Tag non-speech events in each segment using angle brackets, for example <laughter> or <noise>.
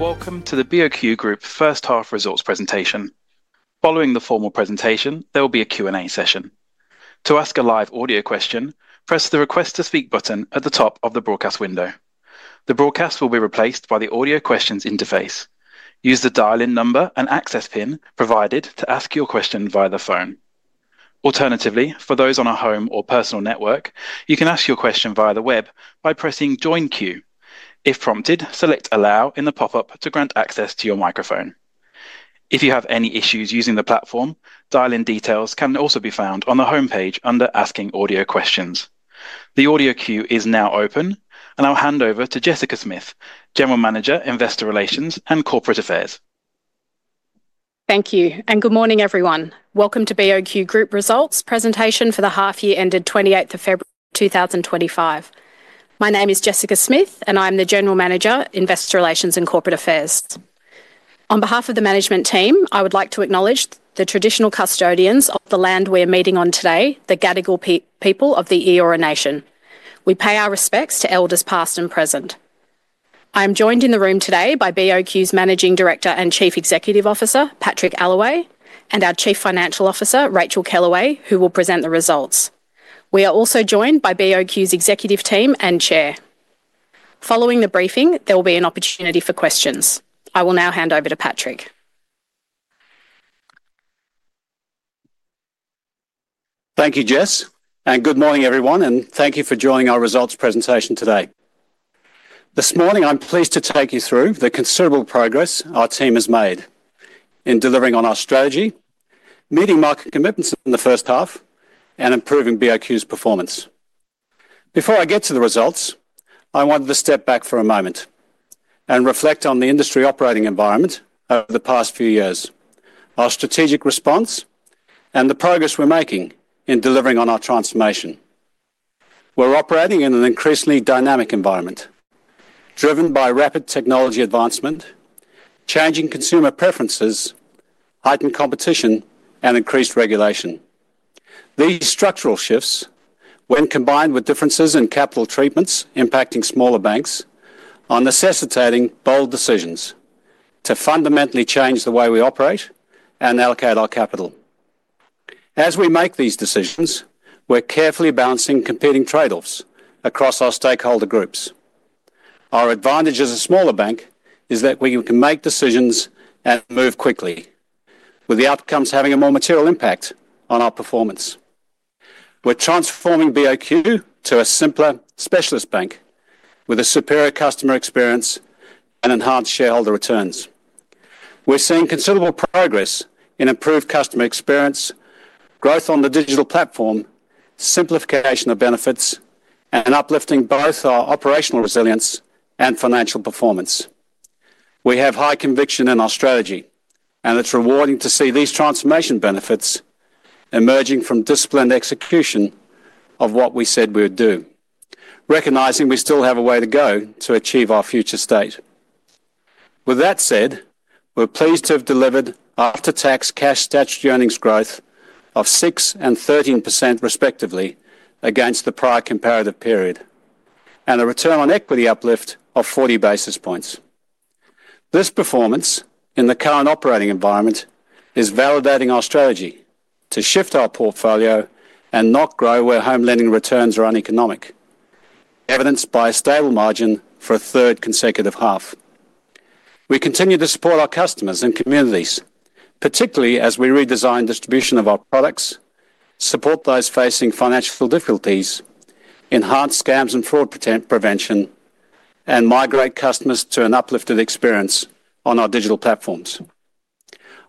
Welcome to the BOQ Group first half results presentation. Following the formal presentation, there will be a Q&A session. To ask a live audio question, press the Request to Speak button at the top of the broadcast window. The broadcast will be replaced by the audio questions interface. Use the dial-in number and access PIN provided to ask your question via the phone. Alternatively, for those on a home or personal network, you can ask your question via the web by pressing Join Queue. If prompted, select Allow in the pop-up to grant access to your microphone. If you have any issues using the platform, dial-in details can also be found on the homepage under Asking Audio Questions. The audio queue is now open, and I'll hand over to Jessica Smith, General Manager, Investor Relations and Corporate Affairs. Thank you, and good morning, everyone. Welcome to BOQ Group results presentation for the half year ended 28th of February 2025. My name is Jessica Smith, and I'm the General Manager, Investor Relations and Corporate Affairs. On behalf of the management team, I would like to acknowledge the traditional custodians of the land we are meeting on today, the Gadigal people of the Eora Nation. We pay our respects to elders past and present. I am joined in the room today by BOQ's Managing Director and Chief Executive Officer, Patrick Allaway, and our Chief Financial Officer, Racheal Kellaway, who will present the results. We are also joined by BOQ's Executive Team and Chair. Following the briefing, there will be an opportunity for questions. I will now hand over to Patrick. Thank you, Jess, and good morning, everyone, and thank you for joining our results presentation today. This morning, I'm pleased to take you through the considerable progress our team has made in delivering on our strategy, meeting market commitments in the first half, and improving BOQ's performance. Before I get to the results, I wanted to step back for a moment and reflect on the industry operating environment over the past few years, our strategic response, and the progress we're making in delivering on our transformation. We're operating in an increasingly dynamic environment, driven by rapid technology advancement, changing consumer preferences, heightened competition, and increased regulation. These structural shifts, when combined with differences in capital treatments impacting smaller banks, are necessitating bold decisions to fundamentally change the way we operate and allocate our capital. As we make these decisions, we're carefully balancing competing trade-offs across our stakeholder groups. Our advantage as a smaller bank is that we can make decisions and move quickly, with the outcomes having a more material impact on our performance. We're transforming BOQ to a simpler specialist bank with a superior customer experience and enhanced shareholder returns. We're seeing considerable progress in improved customer experience, growth on the digital platform, simplification of benefits, and uplifting both our operational resilience and financial performance. We have high conviction in our strategy, and it's rewarding to see these transformation benefits emerging from disciplined execution of what we said we would do, recognizing we still have a way to go to achieve our future state. With that said, we're pleased to have delivered after-tax cash statutory earnings growth of 6% and 13% respectively against the prior comparative period, and a return on equity uplift of 40 basis points. This performance in the current operating environment is validating our strategy to shift our portfolio and not grow where home lending returns are uneconomic, evidenced by a stable margin for a third consecutive half. We continue to support our customers and communities, particularly as we redesign distribution of our products, support those facing financial difficulties, enhance scams and fraud prevention, and migrate customers to an uplifted experience on our digital platforms.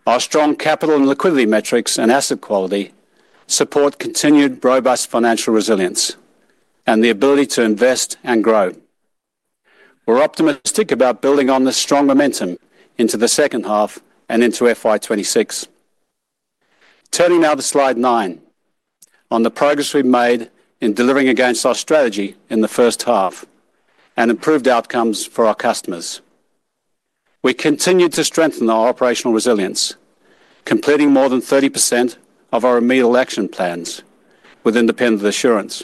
Our strong capital and liquidity metrics and asset quality support continued robust financial resilience and the ability to invest and grow. We're optimistic about building on this strong momentum into the second half and into FY 2026. Turning now to slide nine on the progress we've made in delivering against our strategy in the first half and improved outcomes for our customers. We continue to strengthen our operational resilience, completing more than 30% of our immediate action plans with independent assurance.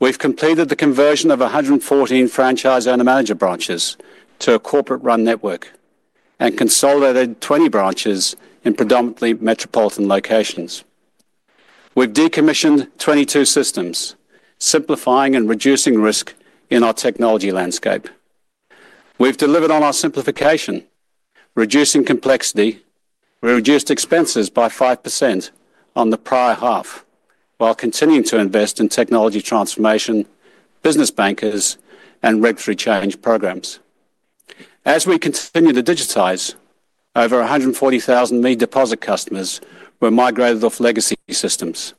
We have completed the conversion of 114 franchise owner-manager branches to a corporate-run network and consolidated 20 branches in predominantly metropolitan locations. We have decommissioned 22 systems, simplifying and reducing risk in our technology landscape. We have delivered on our simplification, reducing complexity. We reduced expenses by 5% on the prior half while continuing to invest in technology transformation, business bankers, and regulatory change programs. As we continue to digitize, over 140,000 ME deposit customers were migrated off legacy systems.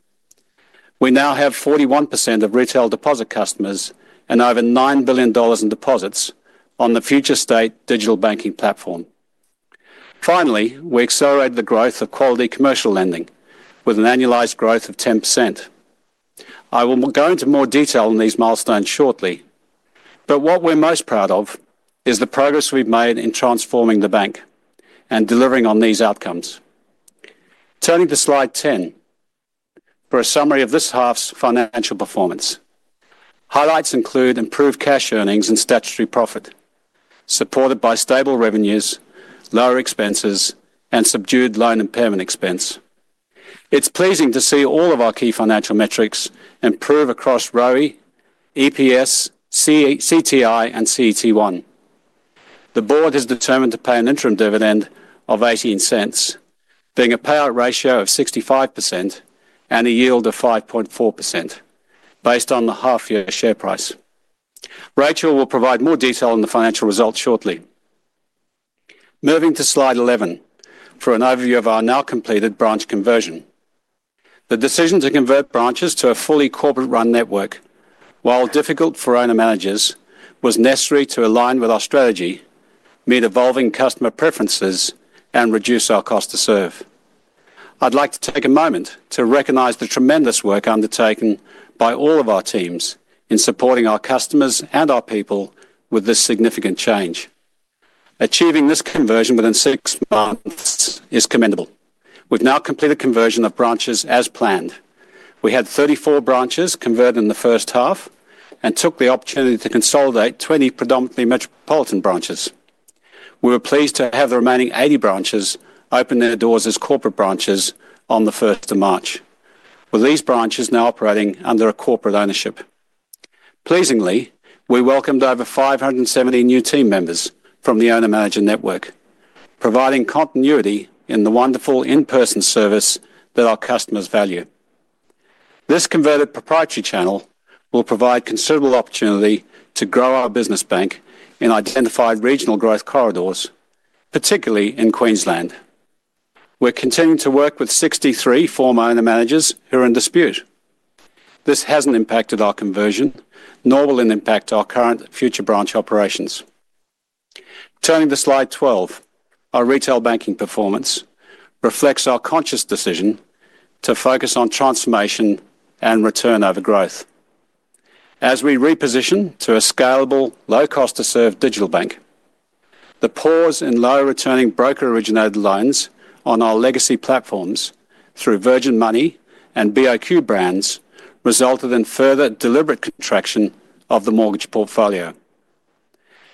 We now have 41% of retail deposit customers and over 9 billion dollars in deposits on the future state digital banking platform. Finally, we accelerated the growth of quality commercial lending with an annualized growth of 10%. I will go into more detail on these milestones shortly, but what we're most proud of is the progress we've made in transforming the bank and delivering on these outcomes. Turning to slide 10 for a summary of this half's financial performance. Highlights include improved cash earnings and statutory profit, supported by stable revenues, lower expenses, and subdued loan impairment expense. It's pleasing to see all of our key financial metrics improve across ROI, EPS, CTI, and CET1. The board has determined to pay an interim dividend of 0.18, being a payout ratio of 65% and a yield of 5.4% based on the half-year share price. Racheal will provide more detail on the financial results shortly. Moving to slide 11 for an overview of our now completed branch conversion. The decision to convert branches to a fully corporate-run network, while difficult for owner-managers, was necessary to align with our strategy, meet evolving customer preferences, and reduce our cost to serve. I'd like to take a moment to recognize the tremendous work undertaken by all of our teams in supporting our customers and our people with this significant change. Achieving this conversion within six months is commendable. We've now completed conversion of branches as planned. We had 34 branches converted in the first half and took the opportunity to consolidate 20 predominantly metropolitan branches. We were pleased to have the remaining 80 branches open their doors as corporate branches on the 1st of March, with these branches now operating under a corporate ownership. Pleasingly, we welcomed over 570 new team members from the owner-manager network, providing continuity in the wonderful in-person service that our customers value. This converted proprietary channel will provide considerable opportunity to grow our business bank in identified regional growth corridors, particularly in Queensland. We're continuing to work with 63 former owner-managers who are in dispute. This hasn't impacted our conversion, nor will it impact our current future branch operations. Turning to slide 12, our retail banking performance reflects our conscious decision to focus on transformation and return over growth. As we reposition to a scalable, low-cost-to-serve digital bank, the pause in low-returning broker-originated loans on our legacy platforms through Virgin Money and BOQ brands resulted in further deliberate contraction of the mortgage portfolio.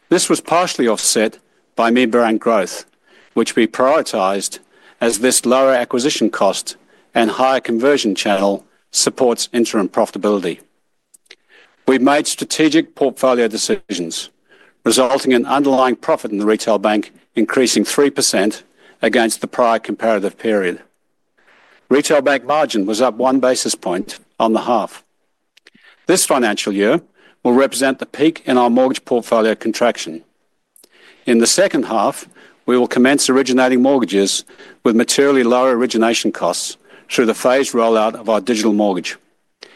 This was partially offset by mid-brand growth, which we prioritized as this lower acquisition cost and higher conversion channel supports interim profitability. We've made strategic portfolio decisions, resulting in underlying profit in the retail bank increasing 3% against the prior comparative period. Retail bank margin was up one basis point on the half. This financial year will represent the peak in our mortgage portfolio contraction. In the second half, we will commence originating mortgages with materially lower origination costs through the phased rollout of our digital mortgage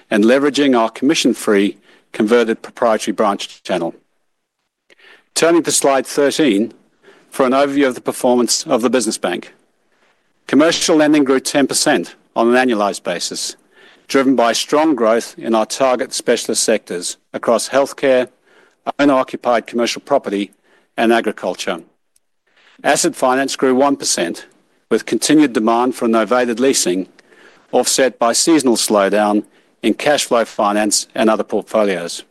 and leveraging our commission-free converted proprietary branch channel. Turning to slide 13 for an overview of the performance of the business bank, commercial lending grew 10% on an annualized basis, driven by strong growth in our target specialist sectors across healthcare, owner-occupied commercial property, and agriculture. Asset finance grew 1%, with continued demand for novated leasing offset by seasonal slowdown in cash flow finance and other portfolios.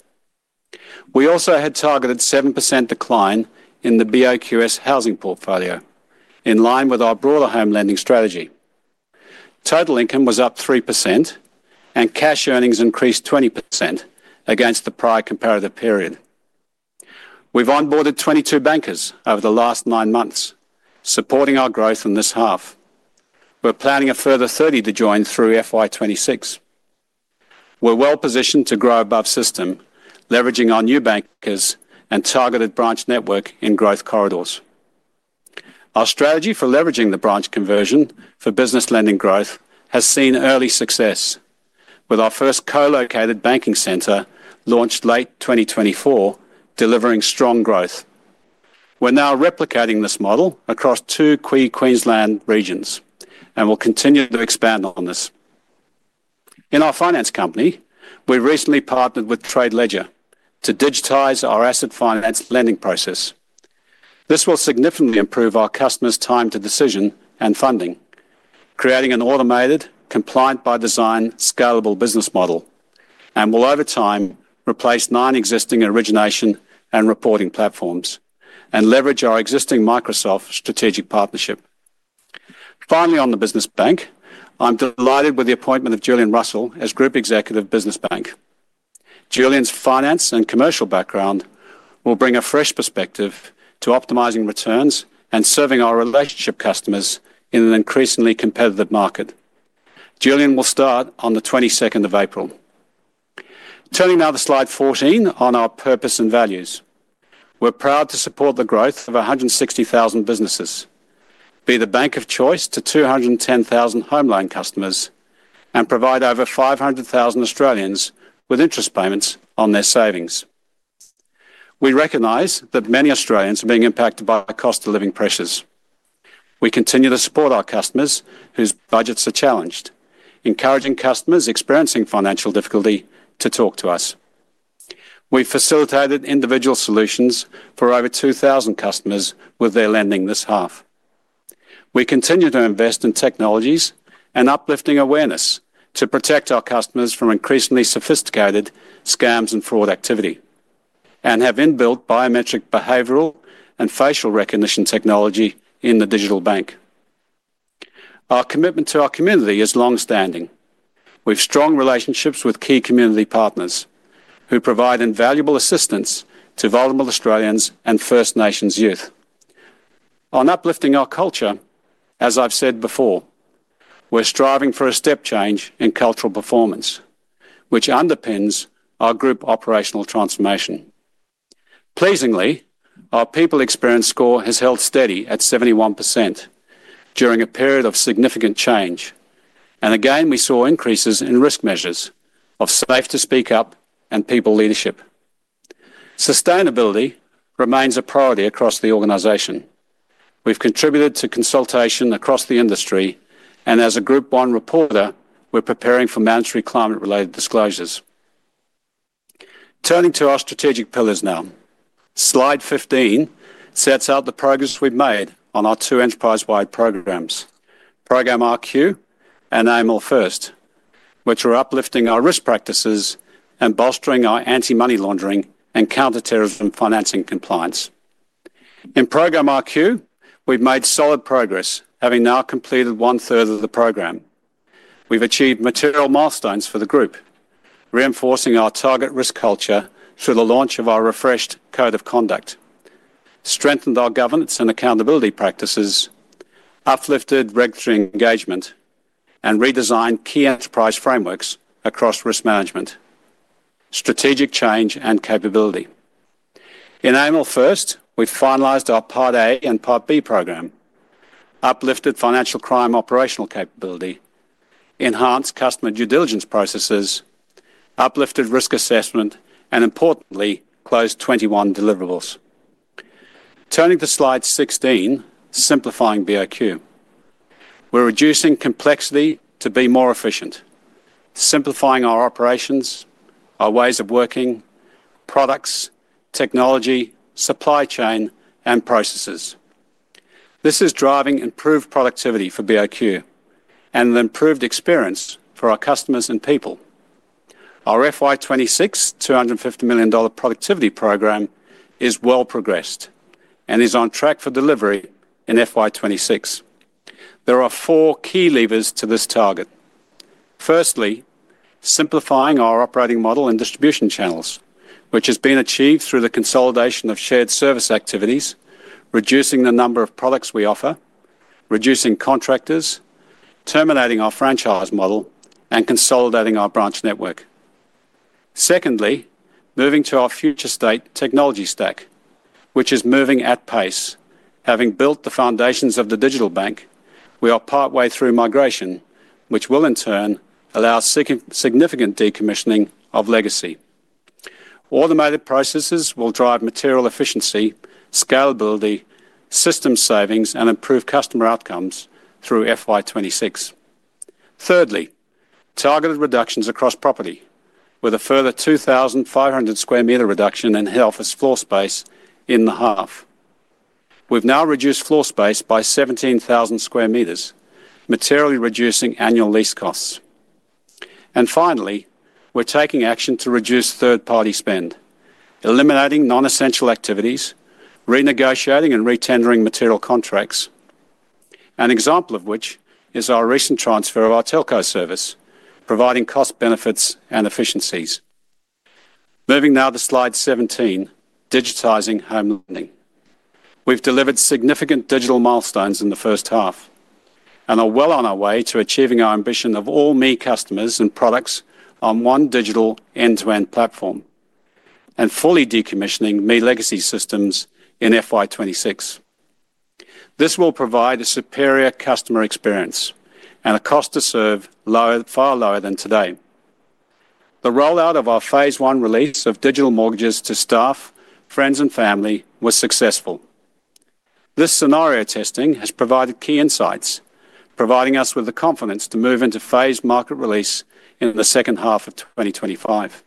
We also had targeted 7% decline in the BOQ Group's housing portfolio, in line with our broader home lending strategy. Total income was up 3%, and cash earnings increased 20% against the prior comparative period. We've onboarded 22 bankers over the last nine months, supporting our growth in this half. We're planning a further 30 to join through FY 2026. We're well positioned to grow above system, leveraging our new bankers and targeted branch network in growth corridors. Our strategy for leveraging the branch conversion for business lending growth has seen early success, with our first co-located banking centre launched late 2024 delivering strong growth. We're now replicating this model across two Queensland regions and will continue to expand on this. In our finance company, we recently partnered with Trade Ledger to digitize our asset finance lending process. This will significantly improve our customers' time to decision and funding, creating an automated, compliant-by-design, scalable business model, and will over time replace nine existing origination and reporting platforms and leverage our existing Microsoft strategic partnership. Finally, on the business bank, I'm delighted with the appointment of Julian Russell as Group Executive of Business Bank. Julian's finance and commercial background will bring a fresh perspective to optimizing returns and serving our relationship customers in an increasingly competitive market. Julian will start on the 22nd of April. Turning now to slide 14 on our purpose and values. We're proud to support the growth of 160,000 businesses, be the bank of choice to 210,000 home loan customers, and provide over 500,000 Australians with interest payments on their savings. We recognize that many Australians are being impacted by cost of living pressures. We continue to support our customers whose budgets are challenged, encouraging customers experiencing financial difficulty to talk to us. We've facilitated individual solutions for over 2,000 customers with their lending this half. We continue to invest in technologies and uplifting awareness to protect our customers from increasingly sophisticated scams and fraud activity and have inbuilt biometric, behavioral, and facial recognition technology in the digital bank. Our commitment to our community is longstanding. We have strong relationships with key community partners who provide invaluable assistance to vulnerable Australians and First Nations youth. On uplifting our culture, as I've said before, we're striving for a step change in cultural performance, which underpins our group operational transformation. Pleasingly, our people experience score has held steady at 71% during a period of significant change, and again we saw increases in risk measures of safe to speak up and people leadership. Sustainability remains a priority across the organization. We've contributed to consultation across the industry, and as a Group One reporter, we're preparing for mandatory climate-related disclosures. Turning to our strategic pillars now, slide 15 sets out the progress we've made on our two enterprise-wide programs, Programme RQ and AML First, which are uplifting our risk practices and bolstering our anti-money laundering and counterterrorism financing compliance. In Programme RQ, we've made solid progress, having now completed one-third of the programme. We've achieved material milestones for the group, reinforcing our target risk culture through the launch of our refreshed code of conduct, strengthened our governance and accountability practices, uplifted regulatory engagement, and redesigned key enterprise frameworks across risk management, strategic change, and capability. In AML First, we've finalised our Part A and Part B programme, uplifted financial crime operational capability, enhanced customer due diligence processes, uplifted risk assessment, and importantly, closed 21 deliverables. Turning to slide 16, simplifying BOQ. We're reducing complexity to be more efficient, simplifying our operations, our ways of working, products, technology, supply chain, and processes. This is driving improved productivity for BOQ and an improved experience for our customers and people. Our FY 2026 AUD 250 million productivity programme is well progressed and is on track for delivery in FY 2026. There are four key levers to this target. Firstly, simplifying our operating model and distribution channels, which has been achieved through the consolidation of shared service activities, reducing the number of products we offer, reducing contractors, terminating our franchise model, and consolidating our branch network. Secondly, moving to our future state technology stack, which is moving at pace. Having built the foundations of the digital bank, we are partway through migration, which will in turn allow significant decommissioning of legacy. Automated processes will drive material efficiency, scalability, system savings, and improve customer outcomes through FY 2026. Thirdly, targeted reductions across property, with a further 2,500 sq m reduction in head office floor space in the half. We have now reduced floor space by 17,000 sq m, materially reducing annual lease costs. Finally, we are taking action to reduce third-party spend, eliminating non-essential activities, renegotiating and re-tendering material contracts, an example of which is our recent transfer of our telco service, providing cost benefits and efficiencies. Moving now to slide 17, digitizing home lending. We have delivered significant digital milestones in the first half and are well on our way to achieving our ambition of all ME customers and products on one digital end-to-end platform and fully decommissioning ME legacy systems in FY 2026. This will provide a superior customer experience and a cost to serve far lower than today. The rollout of our phase one release of digital mortgages to staff, friends, and family was successful. This scenario testing has provided key insights, providing us with the confidence to move into phased market release in the second half of 2025.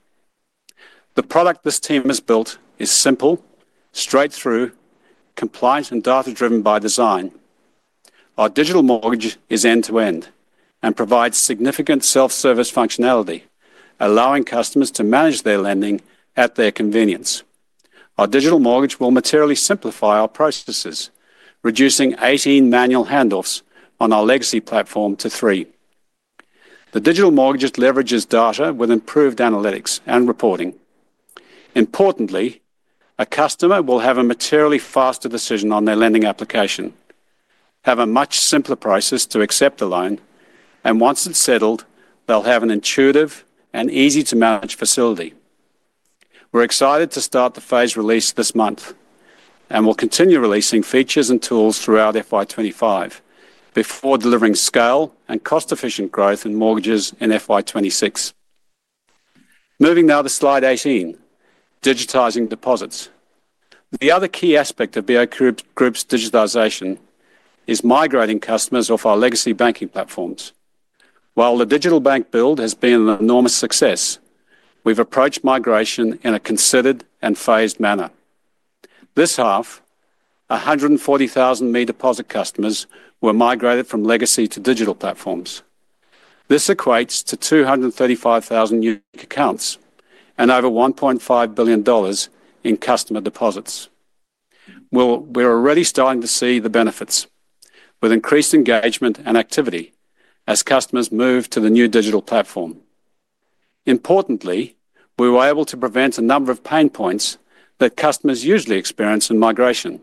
The product this team has built is simple, straight through, compliant, and data-driven by design. Our digital mortgage is end-to-end and provides significant self-service functionality, allowing customers to manage their lending at their convenience. Our digital mortgage will materially simplify our processes, reducing 18 manual handoffs on our legacy platform to three. The digital mortgage leverages data with improved analytics and reporting. Importantly, a customer will have a materially faster decision on their lending application, have a much simpler process to accept the loan, and once it's settled, they'll have an intuitive and easy-to-manage facility. We're excited to start the phase release this month and will continue releasing features and tools throughout FY 2025 before delivering scale and cost-efficient growth in mortgages in FY 2026. Moving now to slide 18, digitising deposits. The other key aspect of BOQ Group's digitisation is migrating customers off our legacy banking platforms. While the digital bank build has been an enormous success, we've approached migration in a considered and phased manner. This half, 140,000 ME deposit customers were migrated from legacy to digital platforms. This equates to 235,000 unique accounts and over 1.5 billion dollars in customer deposits. We're already starting to see the benefits with increased engagement and activity as customers move to the new digital platform. Importantly, we were able to prevent a number of pain points that customers usually experience in migration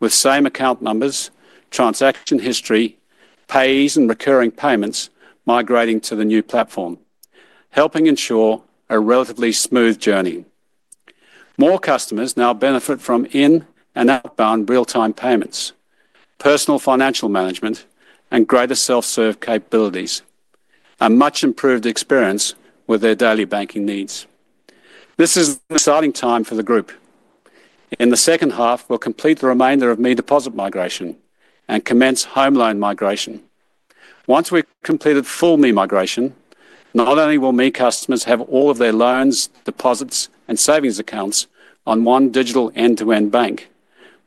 with same account numbers, transaction history, pays, and recurring payments migrating to the new platform, helping ensure a relatively smooth journey. More customers now benefit from in- and outbound real-time payments, personal financial management, and greater self-serve capabilities, a much improved experience with their daily banking needs. This is an exciting time for the group. In the second half, we'll complete the remainder of ME deposit migration and commence home loan migration. Once we've completed full ME migration, not only will ME customers have all of their loans, deposits, and savings accounts on one digital end-to-end bank,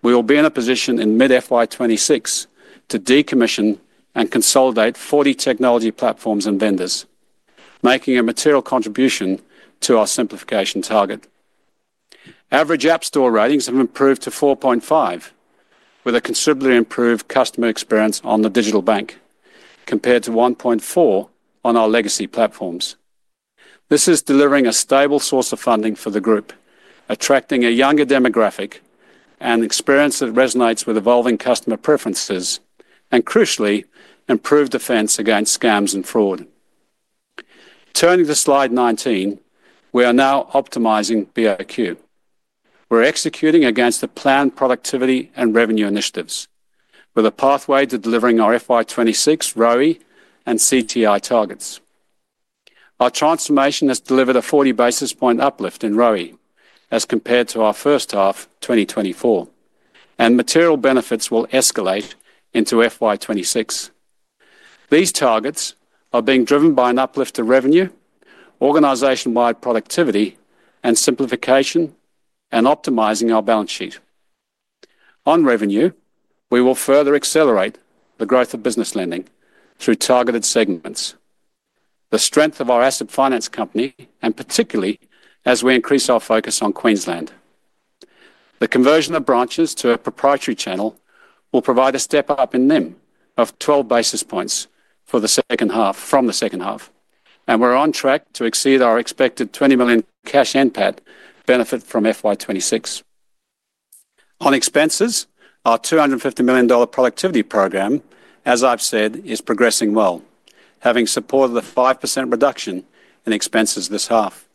we will be in a position in mid-FY 2026 to decommission and consolidate 40 technology platforms and vendors, making a material contribution to our simplification target. Average app store ratings have improved to 4.5, with a considerably improved customer experience on the digital bank compared to 1.4 on our legacy platforms. This is delivering a stable source of funding for the group, attracting a younger demographic and experience that resonates with evolving customer preferences and, crucially, improved defense against scams and fraud. Turning to slide 19, we are now optimizing BOQ. We're executing against the planned productivity and revenue initiatives with a pathway to delivering our FY 2026, ROI, and CTI targets. Our transformation has delivered a 40 basis point uplift in ROI as compared to our first half 2024, and material benefits will escalate into FY 2026. These targets are being driven by an uplift to revenue, organization-wide productivity, and simplification, and optimizing our balance sheet. On revenue, we will further accelerate the growth of business lending through targeted segments, the strength of our asset finance company, and particularly as we increase our focus on Queensland. The conversion of branches to a proprietary channel will provide a step up in them of 12 basis points for the second half from the second half, and we're on track to exceed our expected 20 million cash and PAT benefit from FY 2026. On expenses, our 250 million dollar productivity programme, as I've said, is progressing well, having supported a 5% reduction in expenses this half.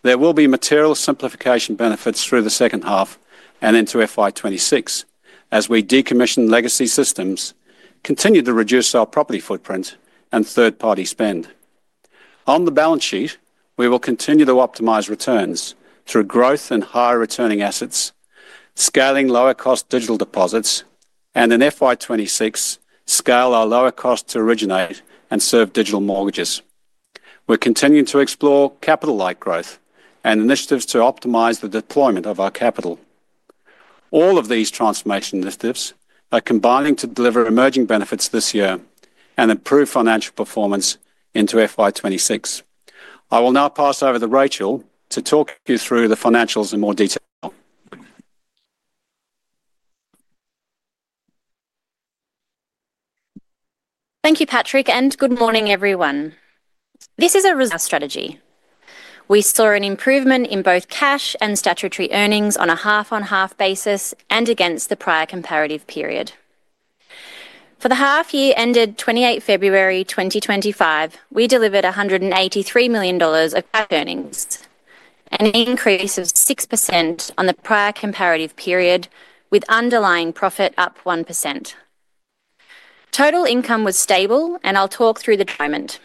There will be material simplification benefits through the second half and into FY 2026 as we decommission legacy systems, continue to reduce our property footprint and third-party spend. On the balance sheet, we will continue to optimise returns through growth and higher returning assets, scaling lower-cost digital deposits, and in FY 2026, scale our lower cost to originate and serve digital mortgages. We're continuing to explore capital-like growth and initiatives to optimise the deployment of our capital. All of these transformation initiatives are combining to deliver emerging benefits this year and improve financial performance into FY 2026. I will now pass over to Racheal to talk you through the financials in more detail. Thank you, Patrick, and good morning, everyone. This is a resource strategy. We saw an improvement in both cash and statutory earnings on a half-on-half basis and against the prior comparative period. For the half year ended 28 February 2025, we delivered 183 million dollars of cash earnings, an increase of 6% on the prior comparative period, with underlying profit up 1%. Total income was stable, and I'll talk through the development.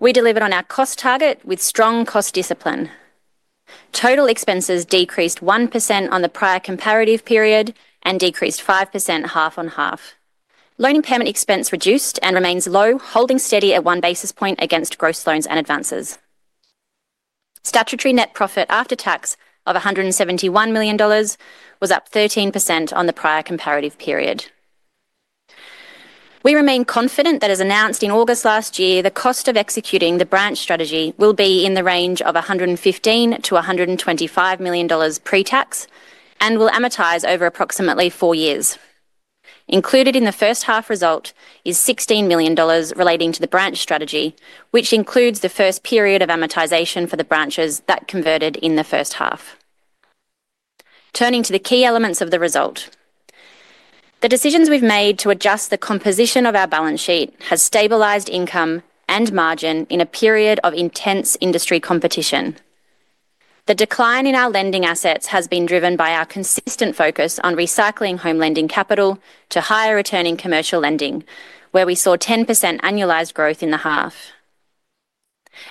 We delivered on our cost target with strong cost discipline. Total expenses decreased 1% on the prior comparative period and decreased 5% half-on-half. Loan impaired expense reduced and remains low, holding steady at one basis point against gross loans and advances. Statutory net profit after tax of 171 million dollars was up 13% on the prior comparative period. We remain confident that, as announced in August last year, the cost of executing the branch strategy will be in the range of 115 million-125 million dollars pre-tax and will amortize over approximately four years. Included in the first half result is 16 million dollars relating to the branch strategy, which includes the first period of amortization for the branches that converted in the first half. Turning to the key elements of the result, the decisions we've made to adjust the composition of our balance sheet have stabilized income and margin in a period of intense industry competition. The decline in our lending assets has been driven by our consistent focus on recycling home lending capital to higher returning commercial lending, where we saw 10% annualized growth in the half.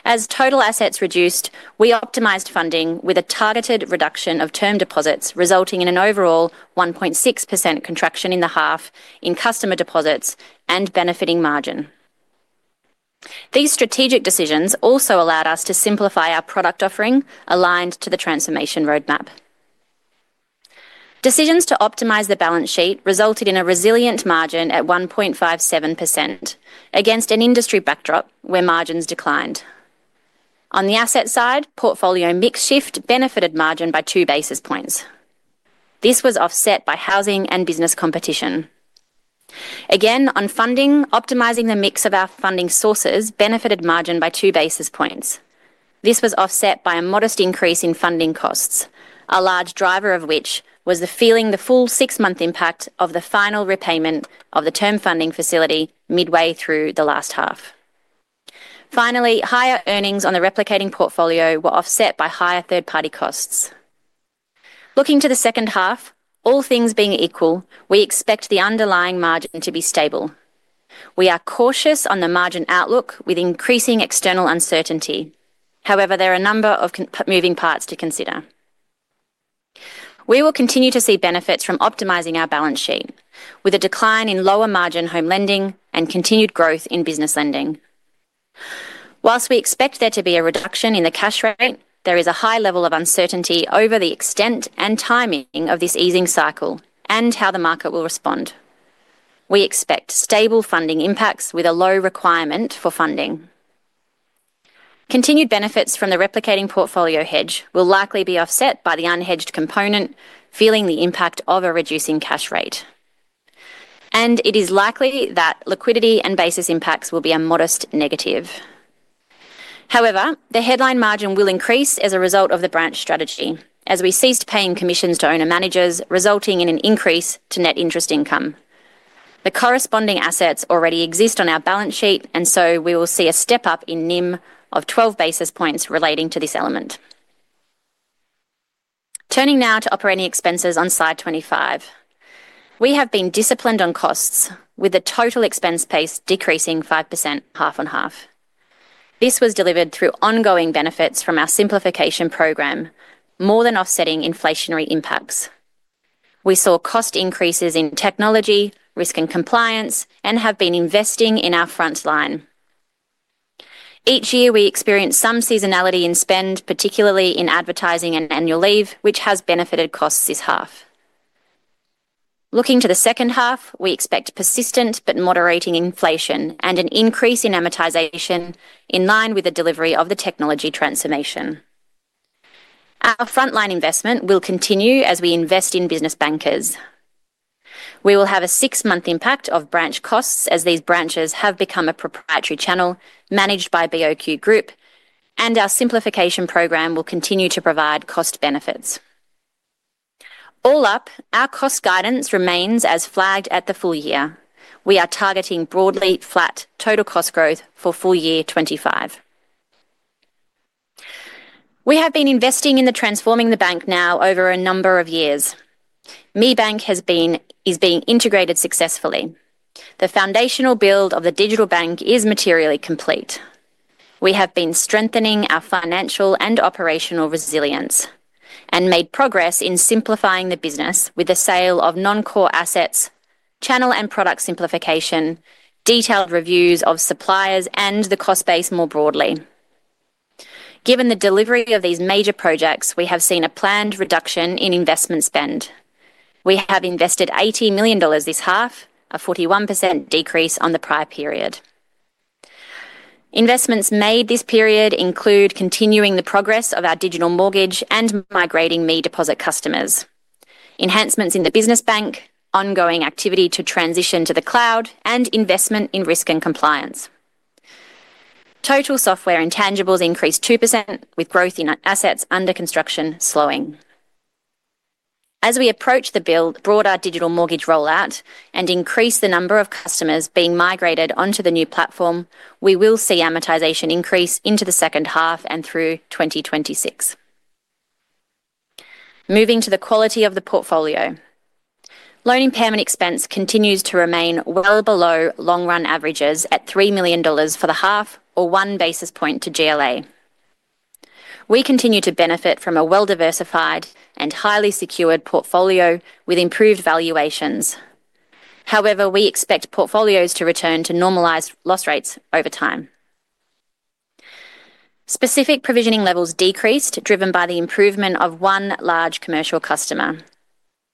As total assets reduced, we optimized funding with a targeted reduction of term deposits, resulting in an overall 1.6% contraction in the half in customer deposits and benefiting margin. These strategic decisions also allowed us to simplify our product offering aligned to the transformation roadmap. Decisions to optimize the balance sheet resulted in a resilient margin at 1.57% against an industry backdrop where margins declined. On the asset side, portfolio mix shift benefited margin by two basis points. This was offset by housing and business competition. Again, on funding, optimizing the mix of our funding sources benefited margin by two basis points. This was offset by a modest increase in funding costs, a large driver of which was the feeling the full six-month impact of the final repayment of the term funding facility midway through the last half. Finally, higher earnings on the replicating portfolio were offset by higher third-party costs. Looking to the second half, all things being equal, we expect the underlying margin to be stable. We are cautious on the margin outlook with increasing external uncertainty. However, there are a number of moving parts to consider. We will continue to see benefits from optimizing our balance sheet with a decline in lower margin home lending and continued growth in business lending. Whilst we expect there to be a reduction in the cash rate, there is a high level of uncertainty over the extent and timing of this easing cycle and how the market will respond. We expect stable funding impacts with a low requirement for funding. Continued benefits from the replicating portfolio hedge will likely be offset by the unhedged component, feeling the impact of a reducing cash rate. It is likely that liquidity and basis impacts will be a modest negative. However, the headline margin will increase as a result of the branch strategy as we ceased paying commissions to owner-managers, resulting in an increase to net interest income. The corresponding assets already exist on our balance sheet, and so we will see a step up in NIM of 12 basis points relating to this element. Turning now to operating expenses on slide 25, we have been disciplined on costs with the total expense pace decreasing 5% half-on-half. This was delivered through ongoing benefits from our simplification programme, more than offsetting inflationary impacts. We saw cost increases in technology, risk, and compliance, and have been investing in our front line. Each year, we experience some seasonality in spend, particularly in advertising and annual leave, which has benefited costs this half. Looking to the second half, we expect persistent but moderating inflation and an increase in amortization in line with the delivery of the technology transformation. Our front line investment will continue as we invest in business bankers. We will have a six-month impact of branch costs as these branches have become a proprietary channel managed by BOQ Group, and our simplification programme will continue to provide cost benefits. All up, our cost guidance remains as flagged at the full year. We are targeting broadly flat total cost growth for full year 2025. We have been investing in transforming the bank now over a number of years. ME Bank has been integrated successfully. The foundational build of the digital bank is materially complete. We have been strengthening our financial and operational resilience and made progress in simplifying the business with the sale of non-core assets, channel and product simplification, detailed reviews of suppliers, and the cost base more broadly. Given the delivery of these major projects, we have seen a planned reduction in investment spend. We have invested 80 million dollars this half, a 41% decrease on the prior period. Investments made this period include continuing the progress of our digital mortgage and migrating ME deposit customers, enhancements in the business bank, ongoing activity to transition to the cloud, and investment in risk and compliance. Total software intangibles increased 2%, with growth in assets under construction slowing. As we approach the build, broader digital mortgage rollout and increase the number of customers being migrated onto the new platform, we will see amortization increase into the second half and through 2026. Moving to the quality of the portfolio, loan impairment expense continues to remain well below long-run averages at 3 million dollars for the half or one basis point to GLA. We continue to benefit from a well-diversified and highly secured portfolio with improved valuations. However, we expect portfolios to return to normalised loss rates over time. Specific provisioning levels decreased, driven by the improvement of one large commercial customer.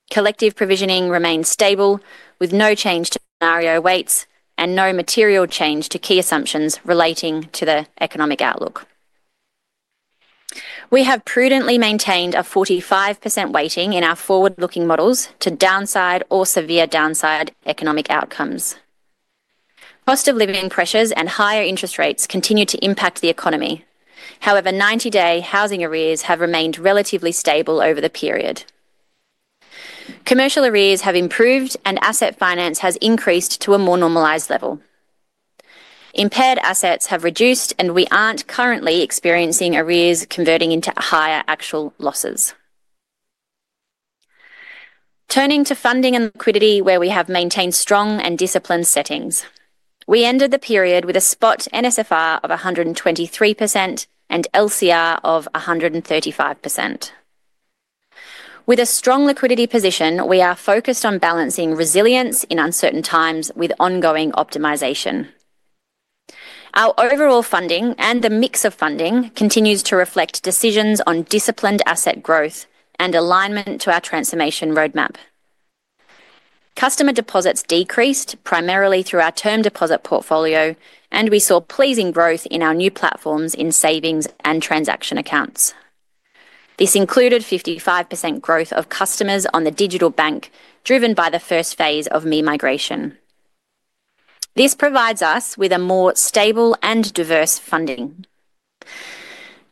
Collective provisioning remains stable with no change to scenario weights and no material change to key assumptions relating to the economic outlook. We have prudently maintained a 45% weighting in our forward-looking models to downside or severe downside economic outcomes. Cost of living pressures and higher interest rates continue to impact the economy. However, 90-day housing arrears have remained relatively stable over the period. Commercial arrears have improved, and asset finance has increased to a more normalised level. Impaired assets have reduced, and we aren't currently experiencing arrears converting into higher actual losses. Turning to funding and liquidity, where we have maintained strong and disciplined settings, we ended the period with a spot NSFR of 123% and LCR of 135%. With a strong liquidity position, we are focused on balancing resilience in uncertain times with ongoing optimization. Our overall funding and the mix of funding continues to reflect decisions on disciplined asset growth and alignment to our transformation roadmap. Customer deposits decreased primarily through our term deposit portfolio, and we saw pleasing growth in our new platforms in savings and transaction accounts. This included 55% growth of customers on the digital bank, driven by the first phase of ME migration. This provides us with a more stable and diverse funding.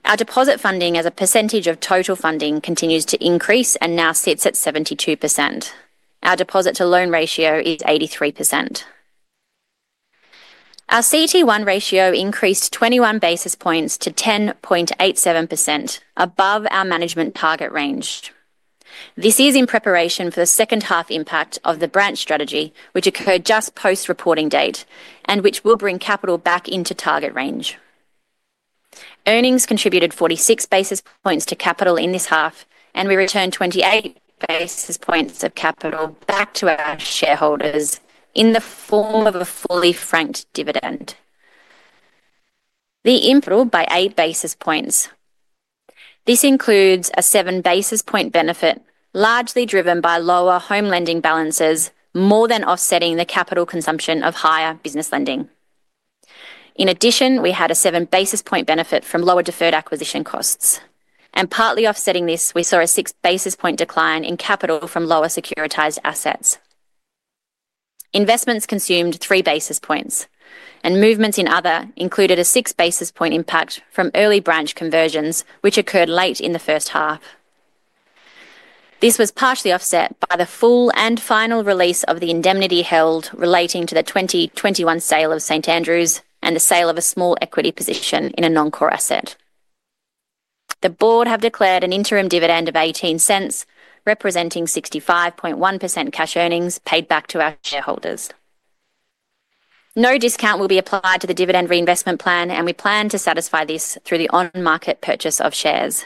Our deposit funding as a percentage of total funding continues to increase and now sits at 72%. Our deposit to loan ratio is 83%. Our CET1 ratio increased 21 basis points to 10.87%, above our management target range. This is in preparation for the second half impact of the branch strategy, which occurred just post-reporting date and which will bring capital back into target range. Earnings contributed 46 basis points to capital in this half, and we returned 28 basis points of capital back to our shareholders in the form of a fully franked dividend. The total by eight basis points. This includes a seven basis point benefit largely driven by lower home lending balances, more than offsetting the capital consumption of higher business lending. In addition, we had a seven basis point benefit from lower deferred acquisition costs. Partly offsetting this, we saw a six basis point decline in capital from lower securitised assets. Investments consumed three basis points, and movements in other included a six basis point impact from early branch conversions, which occurred late in the first half. This was partially offset by the full and final release of the indemnity held relating to the 2021 sale of St. Andrews and the sale of a small equity position in a non-core asset. The board have declared an interim dividend of 0.18, representing 65.1% cash earnings paid back to our shareholders. No discount will be applied to the dividend reinvestment plan, and we plan to satisfy this through the on-market purchase of shares.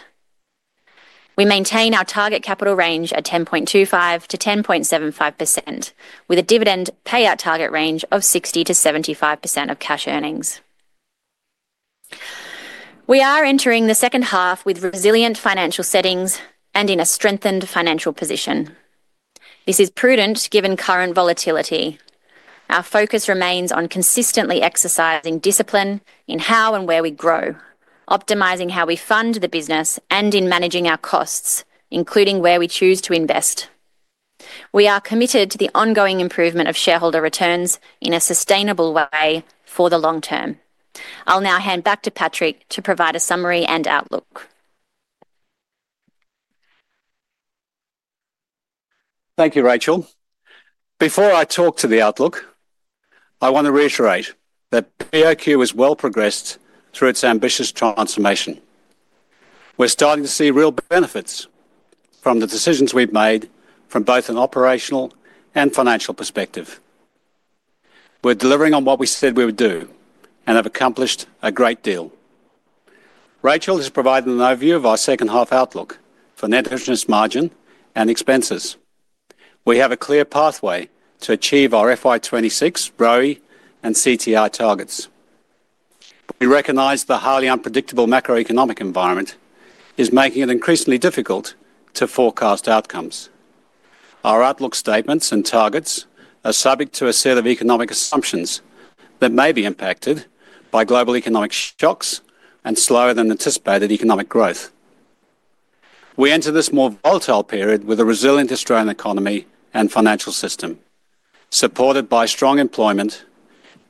We maintain our target capital range at 10.25%-10.75%, with a dividend payout target range of 60%-75% of cash earnings. We are entering the second half with resilient financial settings and in a strengthened financial position. This is prudent given current volatility. Our focus remains on consistently exercising discipline in how and where we grow, optimizing how we fund the business, and in managing our costs, including where we choose to invest. We are committed to the ongoing improvement of shareholder returns in a sustainable way for the long term. I'll now hand back to Patrick to provide a summary and outlook. Thank you, Racheal. Before I talk to the outlook, I want to reiterate that BOQ has well progressed through its ambitious transformation. We're starting to see real benefits from the decisions we've made from both an operational and financial perspective. We're delivering on what we said we would do and have accomplished a great deal. Racheal has provided an overview of our second half outlook for net interest margin and expenses. We have a clear pathway to achieve our FY 2026, ROI, and CTI targets. We recognise the highly unpredictable macroeconomic environment is making it increasingly difficult to forecast outcomes. Our outlook statements and targets are subject to a set of economic assumptions that may be impacted by global economic shocks and slower than anticipated economic growth. We enter this more volatile period with a resilient Australian economy and financial system supported by strong employment,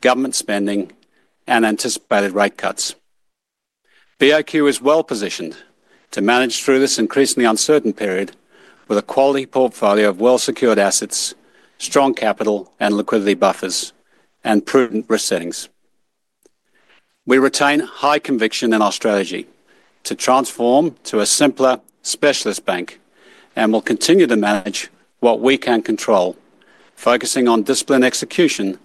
government spending, and anticipated rate cuts. BOQ is well positioned to manage through this increasingly uncertain period with a quality portfolio of well-secured assets, strong capital and liquidity buffers, and prudent resettings. We retain high conviction in our strategy to transform to a simpler specialist bank and will continue to manage what we can control, focusing on discipline execution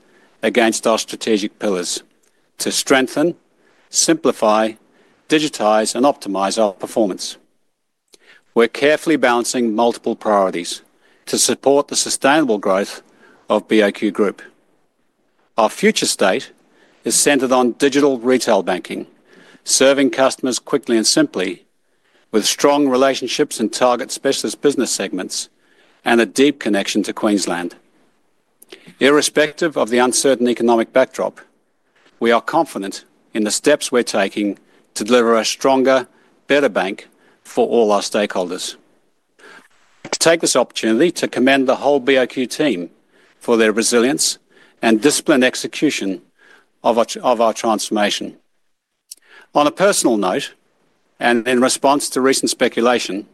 against our strategic pillars to strengthen, simplify, digitise, and optimise our performance. We're carefully balancing multiple priorities to support the sustainable growth of BOQ Group. Our future state is centered on digital retail banking, serving customers quickly and simply with strong relationships and target specialist business segments and a deep connection to Queensland. Irrespective of the uncertain economic backdrop, we are confident in the steps we're taking to deliver a stronger, better bank for all our stakeholders. I'd like to take this opportunity to commend the whole BOQ team for their resilience and disciplined execution of our transformation. On a personal note and in response to recent speculation,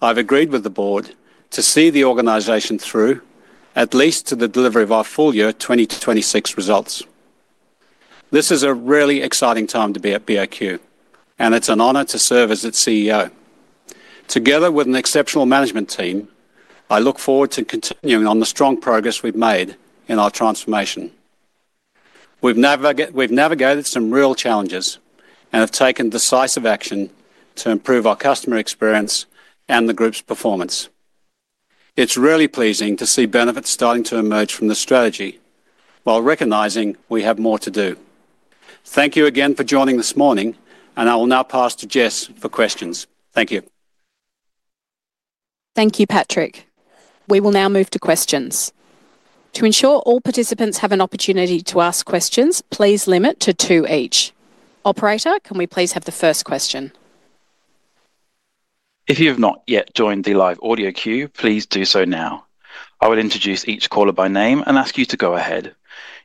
I've agreed with the board to see the organization through at least to the delivery of our full year 2026 results. This is a really exciting time to be at BOQ, and it's an honor to serve as its CEO. Together with an exceptional management team, I look forward to continuing on the strong progress we've made in our transformation. We've navigated some real challenges and have taken decisive action to improve our customer experience and the group's performance. It's really pleasing to see benefits starting to emerge from the strategy while recognizing we have more to do. Thank you again for joining this morning, and I will now pass to Jess for questions. Thank you. Thank you, Patrick. We will now move to questions. To ensure all participants have an opportunity to ask questions, please limit to two each. Operator, can we please have the first question? If you have not yet joined the live audio queue, please do so now. I will introduce each caller by name and ask you to go ahead.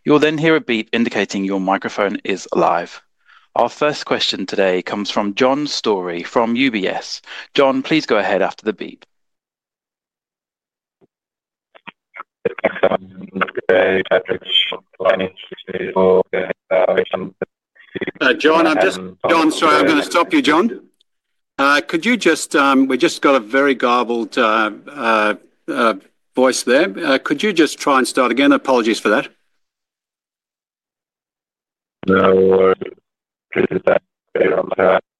You'll then hear a beep indicating your microphone is live. Our first question today comes from John Storey from UBS. John, please go ahead after the beep. <audio distortion> John, sorry, I'm going to stop you, John. Could you just—we just got a very garbled voice there. Could you just try and start again? Apologies for that.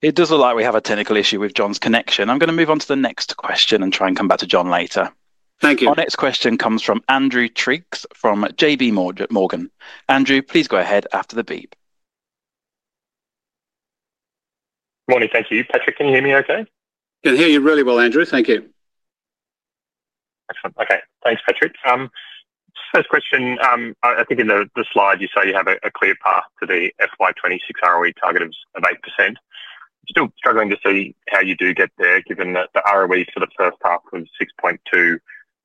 It does look like we have a technical issue with John's connection. I'm going to move on to the next question and try and come back to John later. Thank you. Our next question comes from Andrew Triggs from J.P. Morgan. Andrew, please go ahead after the beep. Good morning. Thank you. Patrick, can you hear me okay? Can hear you really well, Andrew. Thank you. Excellent. Okay. Thanks, Patrick. First question, I think in the slide, you say you have a clear path to the FY 2026 ROE target of 8%. Still struggling to see how you do get there, given that the ROE for the first half was 6.2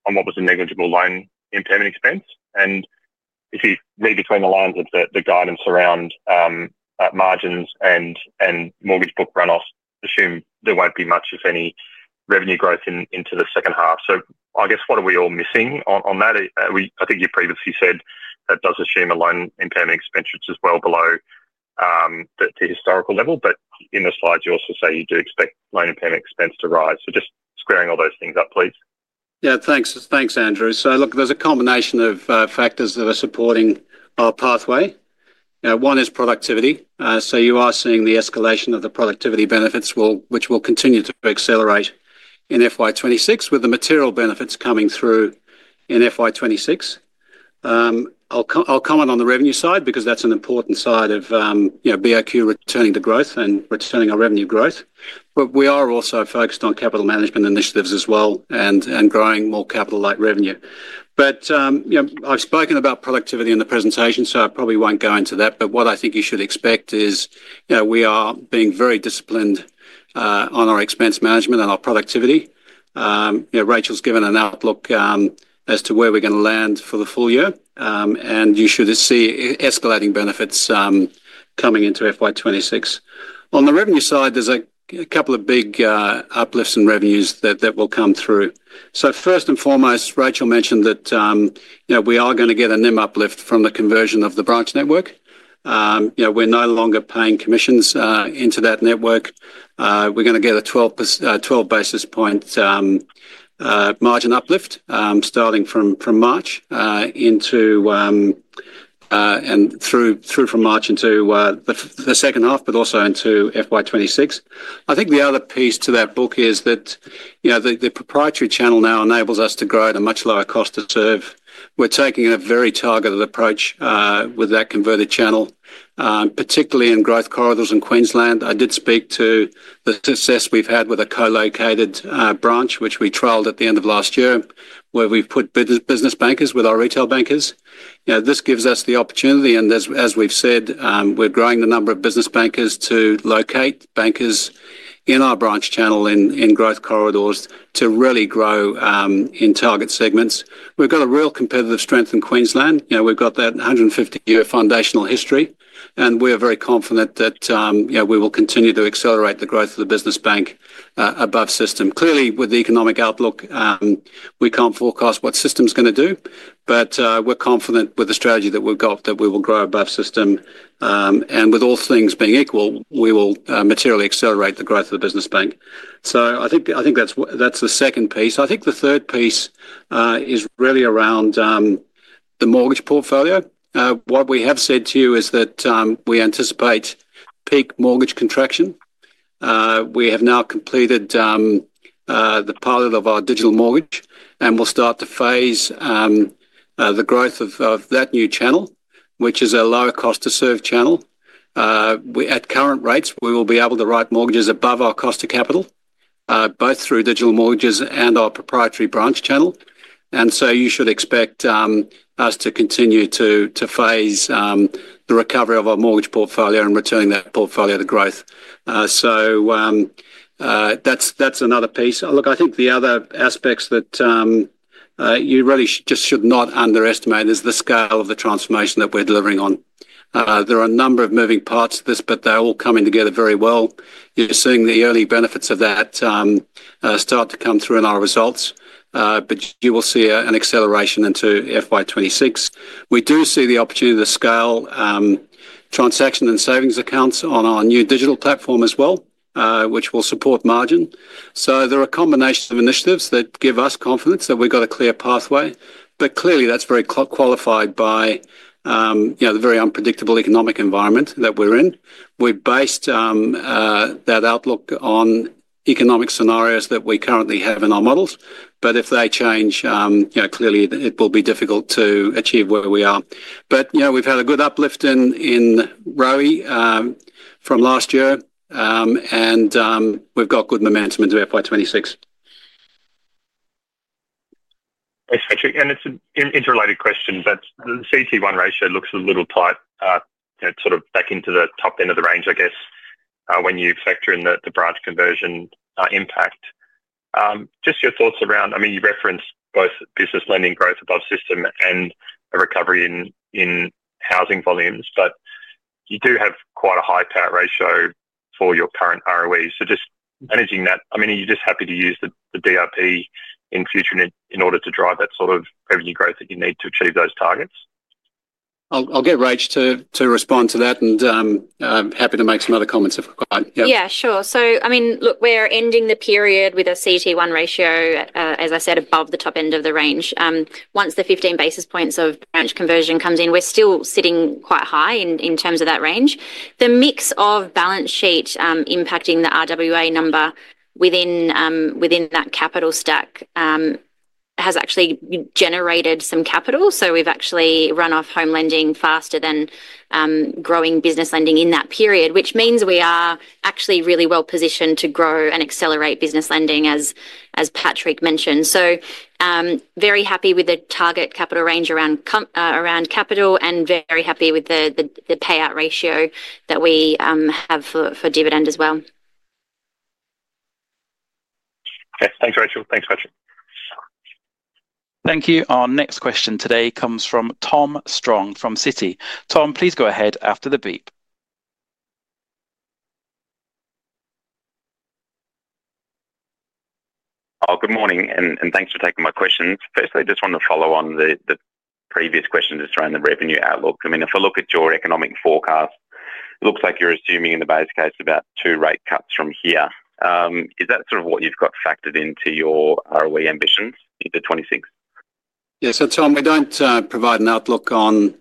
on what was a negligible loan impairment expense. If you read between the lines of the guidance around margins and mortgage book runoff, assume there will not be much, if any, revenue growth into the second half. I guess, what are we all missing on that? I think you previously said that does assume a loan impairment expense which is well below the historical level. In the slides, you also say you do expect loan impairment expense to rise. Just squaring all those things up, please. Yeah, thanks. Thanks, Andrew. Look, there is a combination of factors that are supporting our pathway. One is productivity. You are seeing the escalation of the productivity benefits, which will continue to accelerate in FY 2026, with the material benefits coming through in FY 2026. I will comment on the revenue side because that is an important side of BOQ returning to growth and returning our revenue growth. We are also focused on capital management initiatives as well and growing more capital-like revenue. I have spoken about productivity in the presentation, so I probably will not go into that. What I think you should expect is we are being very disciplined on our expense management and our productivity. Racheal has given an outlook as to where we are going to land for the full year, and you should see escalating benefits coming into FY 2026. On the revenue side, there are a couple of big uplifts in revenues that will come through. First and foremost, Racheal mentioned that we are going to get a NIM uplift from the conversion of the branch network. We are no longer paying commissions into that network. We are going to get a 12 basis point margin uplift starting from March and through from March into the second half, but also into FY 2026. I think the other piece to that book is that the proprietary channel now enables us to grow at a much lower cost to serve. We're taking a very targeted approach with that converted channel, particularly in growth corridors in Queensland. I did speak to the success we've had with a co-located branch, which we trialed at the end of last year, where we've put business bankers with our retail bankers. This gives us the opportunity, and as we've said, we're growing the number of business bankers to locate bankers in our branch channel in growth corridors to really grow in target segments. We've got a real competitive strength in Queensland. We've got that 150-year foundational history, and we're very confident that we will continue to accelerate the growth of the business bank above system. Clearly, with the economic outlook, we can't forecast what system's going to do, but we're confident with the strategy that we've got that we will grow above system. With all things being equal, we will materially accelerate the growth of the business bank. I think that's the second piece. I think the third piece is really around the mortgage portfolio. What we have said to you is that we anticipate peak mortgage contraction. We have now completed the pilot of our digital mortgage, and we'll start to phase the growth of that new channel, which is a lower cost to serve channel. At current rates, we will be able to write mortgages above our cost of capital, both through digital mortgages and our proprietary branch channel. You should expect us to continue to phase the recovery of our mortgage portfolio and returning that portfolio to growth. I think the other aspects that you really just should not underestimate is the scale of the transformation that we're delivering on. There are a number of moving parts to this, but they're all coming together very well. You're seeing the early benefits of that start to come through in our results, but you will see an acceleration into FY 2026. We do see the opportunity to scale transaction and savings accounts on our new digital platform as well, which will support margin. There are a combination of initiatives that give us confidence that we've got a clear pathway. Clearly, that's very qualified by the very unpredictable economic environment that we're in. We've based that outlook on economic scenarios that we currently have in our models. If they change, clearly, it will be difficult to achieve where we are. We have had a good uplift in ROI from last year, and we have got good momentum into FY 2026. Thanks, Patrick. It is an interrelated question, but the CET1 ratio looks a little tight, sort of back into the top end of the range, I guess, when you factor in the branch conversion impact. Just your thoughts around, I mean, you referenced both business lending growth above system and a recovery in housing volumes, but you do have quite a high payout ratio for your current ROE. Just managing that, I mean, are you just happy to use the DRP in future in order to drive that sort of revenue growth that you need to achieve those targets? I will get Rach to respond to that, and I am happy to make some other comments if I can. Yeah, sure. I mean, look, we're ending the period with a CET1 ratio, as I said, above the top end of the range. Once the 15 basis points of branch conversion comes in, we're still sitting quite high in terms of that range. The mix of balance sheet impacting the RWA number within that capital stack has actually generated some capital. We've actually run off home lending faster than growing business lending in that period, which means we are actually really well positioned to grow and accelerate business lending, as Patrick mentioned. Very happy with the target capital range around capital and very happy with the payout ratio that we have for dividend as well. Okay. Thanks, Racheal. Thanks, Patrick. Thank you. Our next question today comes from Tom Strong from Citi. Tom, please go ahead after the beep. Good morning, and thanks for taking my questions. Firstly, I just want to follow on the previous question just around the revenue outlook. I mean, if I look at your economic forecast, it looks like you're assuming in the base case about two rate cuts from here. Is that sort of what you've got factored into your ROE ambitions into 2026? Yes. So, Tom, we don't provide an outlook on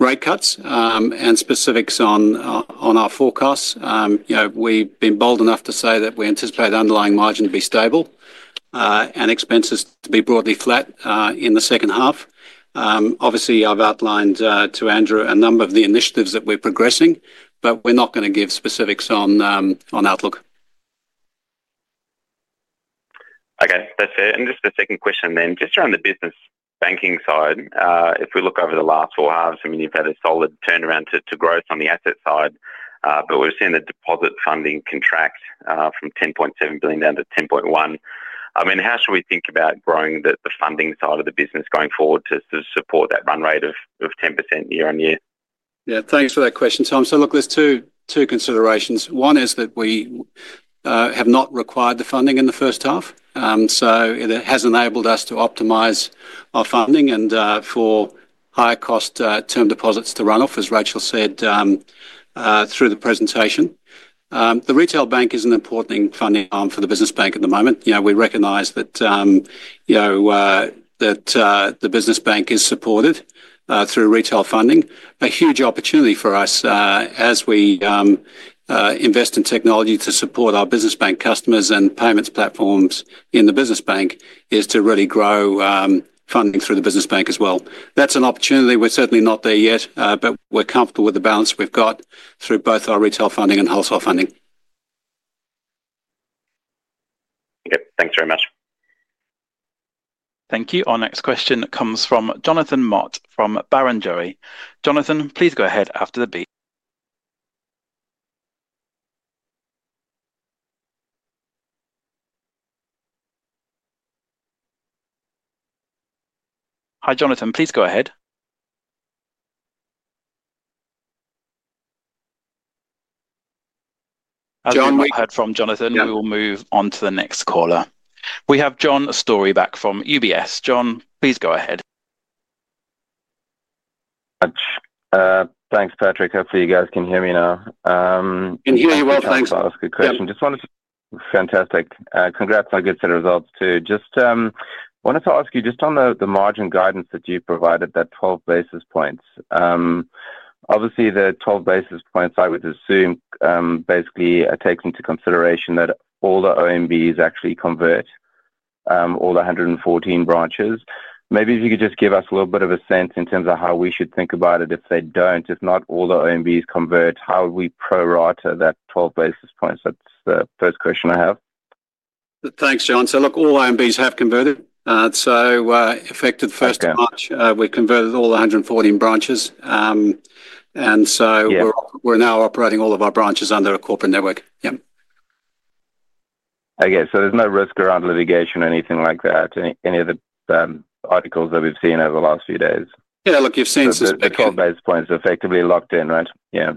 rate cuts and specifics on our forecasts. We've been bold enough to say that we anticipate underlying margin to be stable and expenses to be broadly flat in the second half. Obviously, I've outlined to Andrew a number of the initiatives that we're progressing, but we're not going to give specifics on outlook. Okay. That's fair. Just a second question then, just around the business banking side. If we look over the last four halves, I mean, you've had a solid turnaround to growth on the asset side, but we're seeing the deposit funding contract from 10.7 billion down to 10.1 billion. I mean, how should we think about growing the funding side of the business going forward to support that run rate of 10% year on year? Yeah. Thanks for that question, Tom. Look, there's two considerations. One is that we have not required the funding in the first half. It has enabled us to optimize our funding and for higher cost term deposits to run off, as Racheal said through the presentation. The retail bank is an important funding arm for the business bank at the moment. We recognize that the business bank is supported through retail funding. A huge opportunity for us as we invest in technology to support our business bank customers and payments platforms in the business bank is to really grow funding through the business bank as well. That's an opportunity. We're certainly not there yet, but we're comfortable with the balance we've got through both our retail funding and wholesale funding. Thanks very much. Thank you. Our next question comes from Jonathan Mott from Barrenjoey. Jonathan, please go ahead after the beep. Hi, Jonathan. Please go ahead. As we've heard from Jonathan, we will move on to the next caller. We have John Storey back from UBS. John, please go ahead. Thanks, Patrick. Hopefully, you guys can hear me now. Can hear you well. Thanks. I'll ask a question. Just wanted to, fantastic. Congrats on good set of results too. Just wanted to ask you, just on the margin guidance that you provided, that 12 basis points, obviously the 12 basis points, I would assume basically takes into consideration that all the OMBs actually convert all 114 branches. Maybe if you could just give us a little bit of a sense in terms of how we should think about it. If they do not, if not all the OMBs convert, how would we pro-rata that 12 basis points? That is the first question I have. Thanks, John. Look, all OMBs have converted. Effective 1st of March, we have converted all 114 branches. We are now operating all of our branches under a corporate network. Yeah. Okay. There is no risk around litigation or anything like that? Any of the articles that we have seen over the last few days? Yeah. Look, you have seen some speculation. 12 basis points effectively locked in, right? Yeah.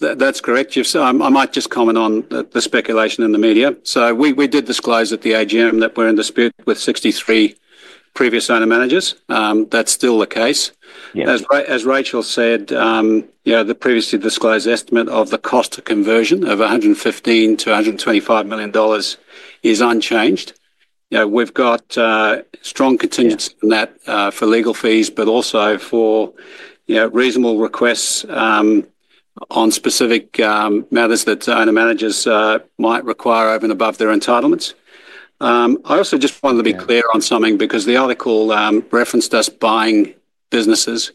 That's correct. I might just comment on the speculation in the media. We did disclose at the AGM that we're in dispute with 63 previous owner-managers. That's still the case. As Racheal said, the previously disclosed estimate of the cost of conversion of 115 million-125 million dollars is unchanged. We've got strong contingency on that for legal fees, but also for reasonable requests on specific matters that owner-managers might require over and above their entitlements. I also just wanted to be clear on something because the article referenced us buying businesses.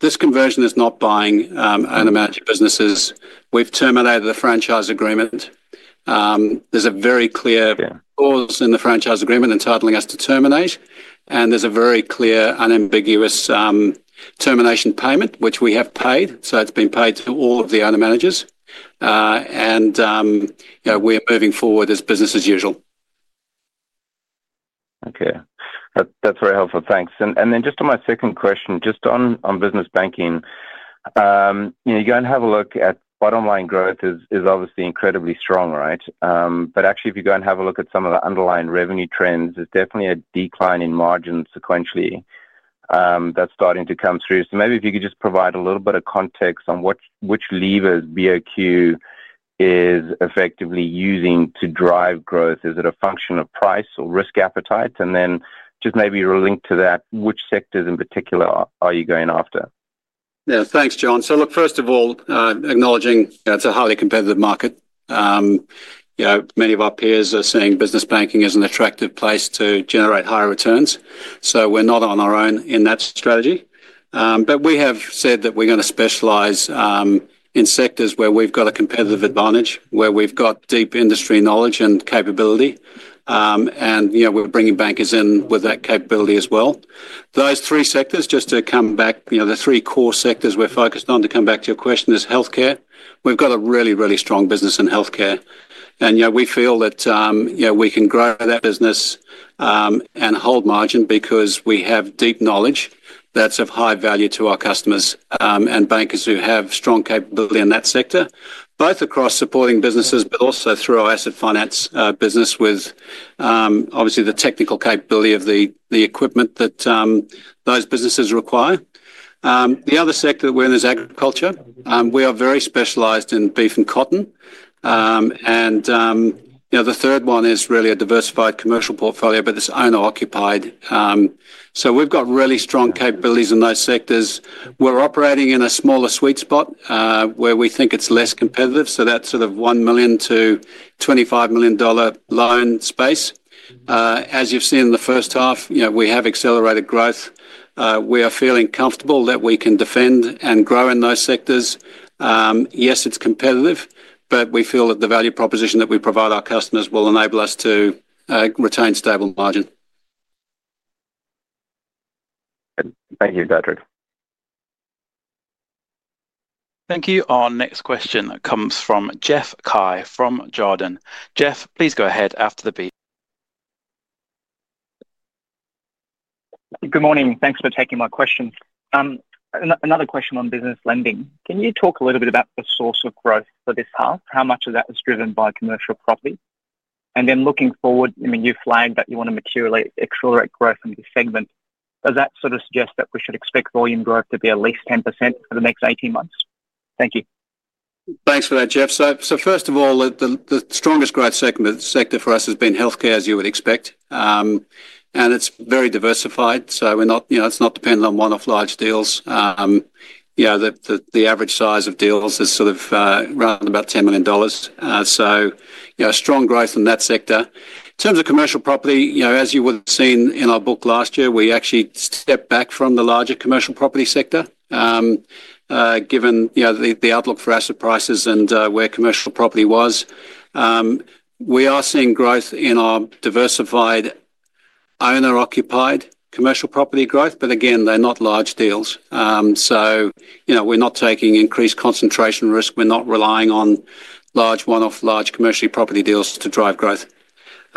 This conversion is not buying owner-manager businesses. We've terminated the franchise agreement. There's a very clear clause in the franchise agreement entitling us to terminate. There's a very clear, unambiguous termination payment, which we have paid. It's been paid to all of the owner-managers. We are moving forward as business as usual. Okay. That's very helpful. Thanks. On my second question, just on business banking, you go and have a look at bottom line growth is obviously incredibly strong, right? Actually, if you go and have a look at some of the underlying revenue trends, there's definitely a decline in margin sequentially that's starting to come through. Maybe if you could just provide a little bit of context on which levers BOQ is effectively using to drive growth. Is it a function of price or risk appetite? Maybe relink to that, which sectors in particular are you going after? Yeah. Thanks, John. First of all, acknowledging it's a highly competitive market. Many of our peers are saying business banking is an attractive place to generate higher returns. We're not on our own in that strategy. We have said that we're going to specialise in sectors where we've got a competitive advantage, where we've got deep industry knowledge and capability. We're bringing bankers in with that capability as well. Those three sectors, just to come back, the three core sectors we're focused on to come back to your question is healthcare. We've got a really, really strong business in healthcare. We feel that we can grow that business and hold margin because we have deep knowledge that's of high value to our customers and bankers who have strong capability in that sector, both across supporting businesses, but also through our asset finance business with obviously the technical capability of the equipment that those businesses require. The other sector that we're in is agriculture. We are very specialised in beef and cotton. The third one is really a diversified commercial portfolio, but it's owner-occupied. We have really strong capabilities in those sectors. We are operating in a smaller sweet spot where we think it's less competitive. That is sort of 1 million-25 million dollar loan space. As you have seen in the first half, we have accelerated growth. We are feeling comfortable that we can defend and grow in those sectors. Yes, it's competitive, but we feel that the value proposition that we provide our customers will enable us to retain stable margin. Thank you, Patrick. Thank you. Our next question come```s from Jeff Ca`i fr`om Jarden. Jeff, please go ahe``ad after the beep. Good morning. Thanks for taking my question. Another question on business lending. Can you talk a little bit about the source of growth for this half? How much of that is driven by commercial property? Looking forward, I mean, you flagged that you want to accelerate growth in the segment. Does that sort of suggest that we should expect volume growth to be at least 10% for the next 18 months? Thank you. Thanks for that, Jeff. First of all, the strongest growth sector for us has been healthcare, as you would expect. It is very diversified. It is not dependent on one-off large deals. The average size of deals is around 10 million dollars. Strong growth in that sector. In terms of commercial property, as you would have seen in our book last year, we actually stepped back from the larger commercial property sector given the outlook for asset prices and where commercial property was. We are seeing growth in our diversified owner-occupied commercial property growth, but again, they are not large deals. We're not taking increased concentration risk. We're not relying on large one-off large commercial property deals to drive growth.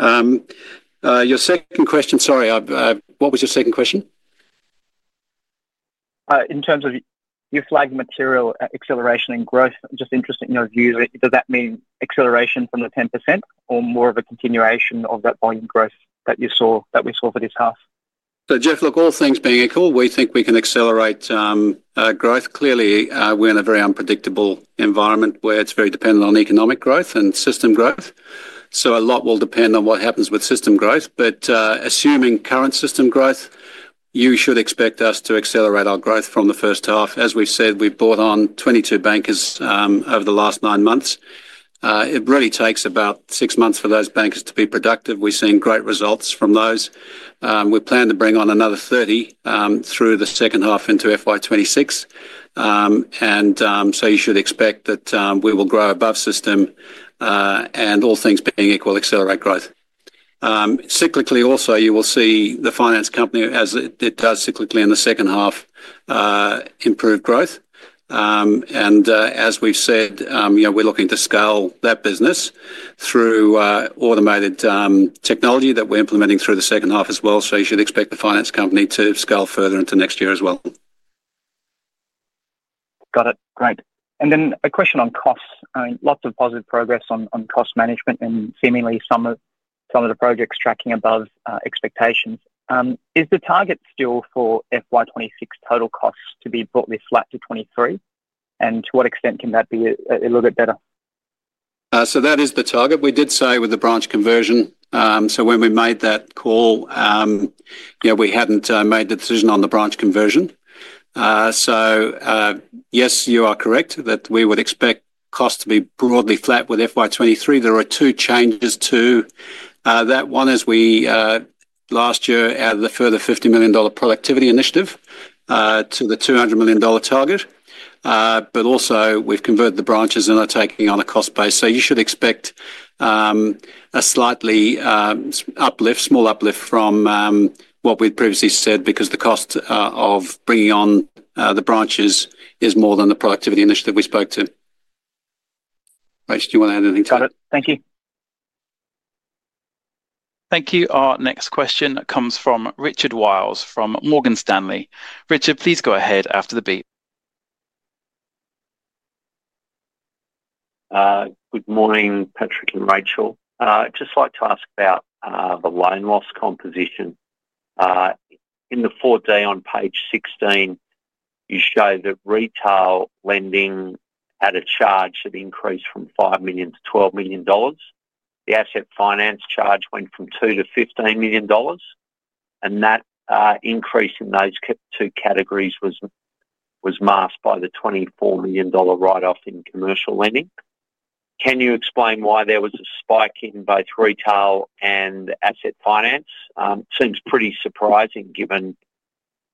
Your second question, sorry, what was your second question? In terms of you flagged material acceleration and growth, I'm just interested in your views. Does that mean acceleration from the 10% or more of a continuation of that volume growth that you saw for this half? Jeff, look, all things being equal, we think we can accelerate growth. Clearly, we're in a very unpredictable environment where it's very dependent on economic growth and system growth. A lot will depend on what happens with system growth. Assuming current system growth, you should expect us to accelerate our growth from the first half. As we've said, we've brought on 22 bankers over the last nine months. It really takes about six months for those bankers to be productive. We've seen great results from those. We plan to bring on another 30 through the second half into FY 2026. You should expect that we will grow above system. All things being equal, accelerate growth. Cyclically, also, you will see the finance company, as it does cyclically in the second half, improve growth. As we've said, we're looking to scale that business through automated technology that we're implementing through the second half as well. You should expect the finance company to scale further into next year as well. Got it. Great. A question on costs. Lots of positive progress on cost management and seemingly some of the projects tracking above expectations. Is the target still for FY 2026 total costs to be brought this flat to 2023? To what extent can that be a little bit better? That is the target. We did say with the branch conversion. When we made that call, we had not made the decision on the branch conversion. Yes, you are correct that we would expect costs to be broadly flat with FY 2023. There are two changes to that. One is we last year added the further 50 million dollar productivity initiative to the 200 million dollar target. Also, we have converted the branches and are taking on a cost base. You should expect a slight uplift, small uplift from what we had previously said because the cost of bringing on the branches is more than the productivity initiative we spoke to. Racheal, do you want to add anything to that? Got it. Thank you. Thank you. Our next question comes from Richard Wiles from Morgan Stanley. Richard, please go ahead after the beep. Good morning, Patrick and Racheal. Just like to ask about the loan loss composition. In the fourth day on page 16, you show that retail lending had a charge that increased from 5 million to 12 million dollars. The asset finance charge went from 2 million to 15 million dollars. That increase in those two categories was masked by the 24 million dollar write-off in commercial lending. Can you explain why there was a spike in both retail and asset finance? Seems pretty surprising given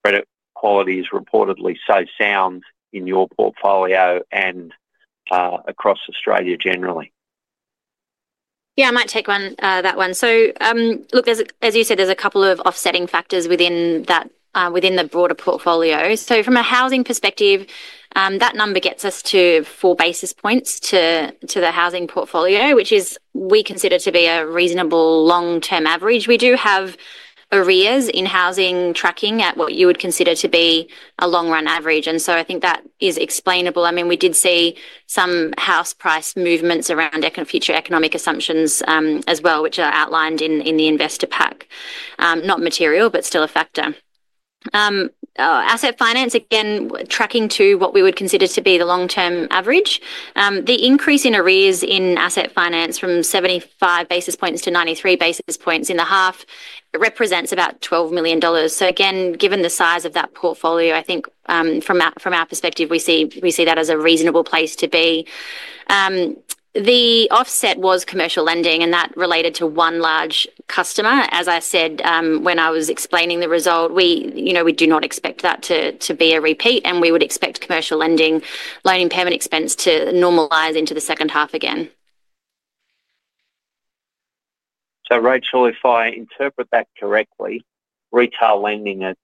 credit quality is reportedly so sound in your portfolio and across Australia generally. Yeah, I might take that one. Look, as you said, there's a couple of offsetting factors within the broader portfolio. From a housing perspective, that number gets us to four basis points to the housing portfolio, which we consider to be a reasonable long-term average. We do have arrears in housing tracking at what you would consider to be a long-run average. I think that is explainable. I mean, we did see some house price movements around future economic assumptions as well, which are outlined in the investor pack. Not material, but still a factor. Asset finance, again, tracking to what we would consider to be the long-term average. The increase in arrears in asset finance from 75 basis points to 93 basis points in the half represents about 12 million dollars. Given the size of that portfolio, I think from our perspective, we see that as a reasonable place to be. The offset was commercial lending, and that related to one large customer. As I said when I was explaining the result, we do not expect that to be a repeat. We would expect commercial lending loan impairment expense to normalise into the second half again. Racheal, if I interpret that correctly, retail lending at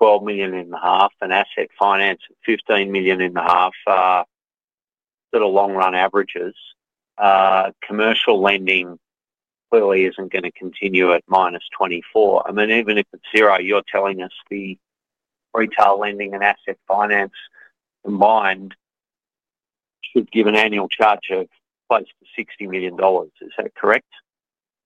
12.5 million and asset finance at 15.5 million are sort of long-run averages. Commercial lending clearly is not going to continue at minus 24 million. I mean, even if it is zero, you are telling us the retail lending and asset finance combined should give an annual charge of close to 60 million dollars. Is that correct?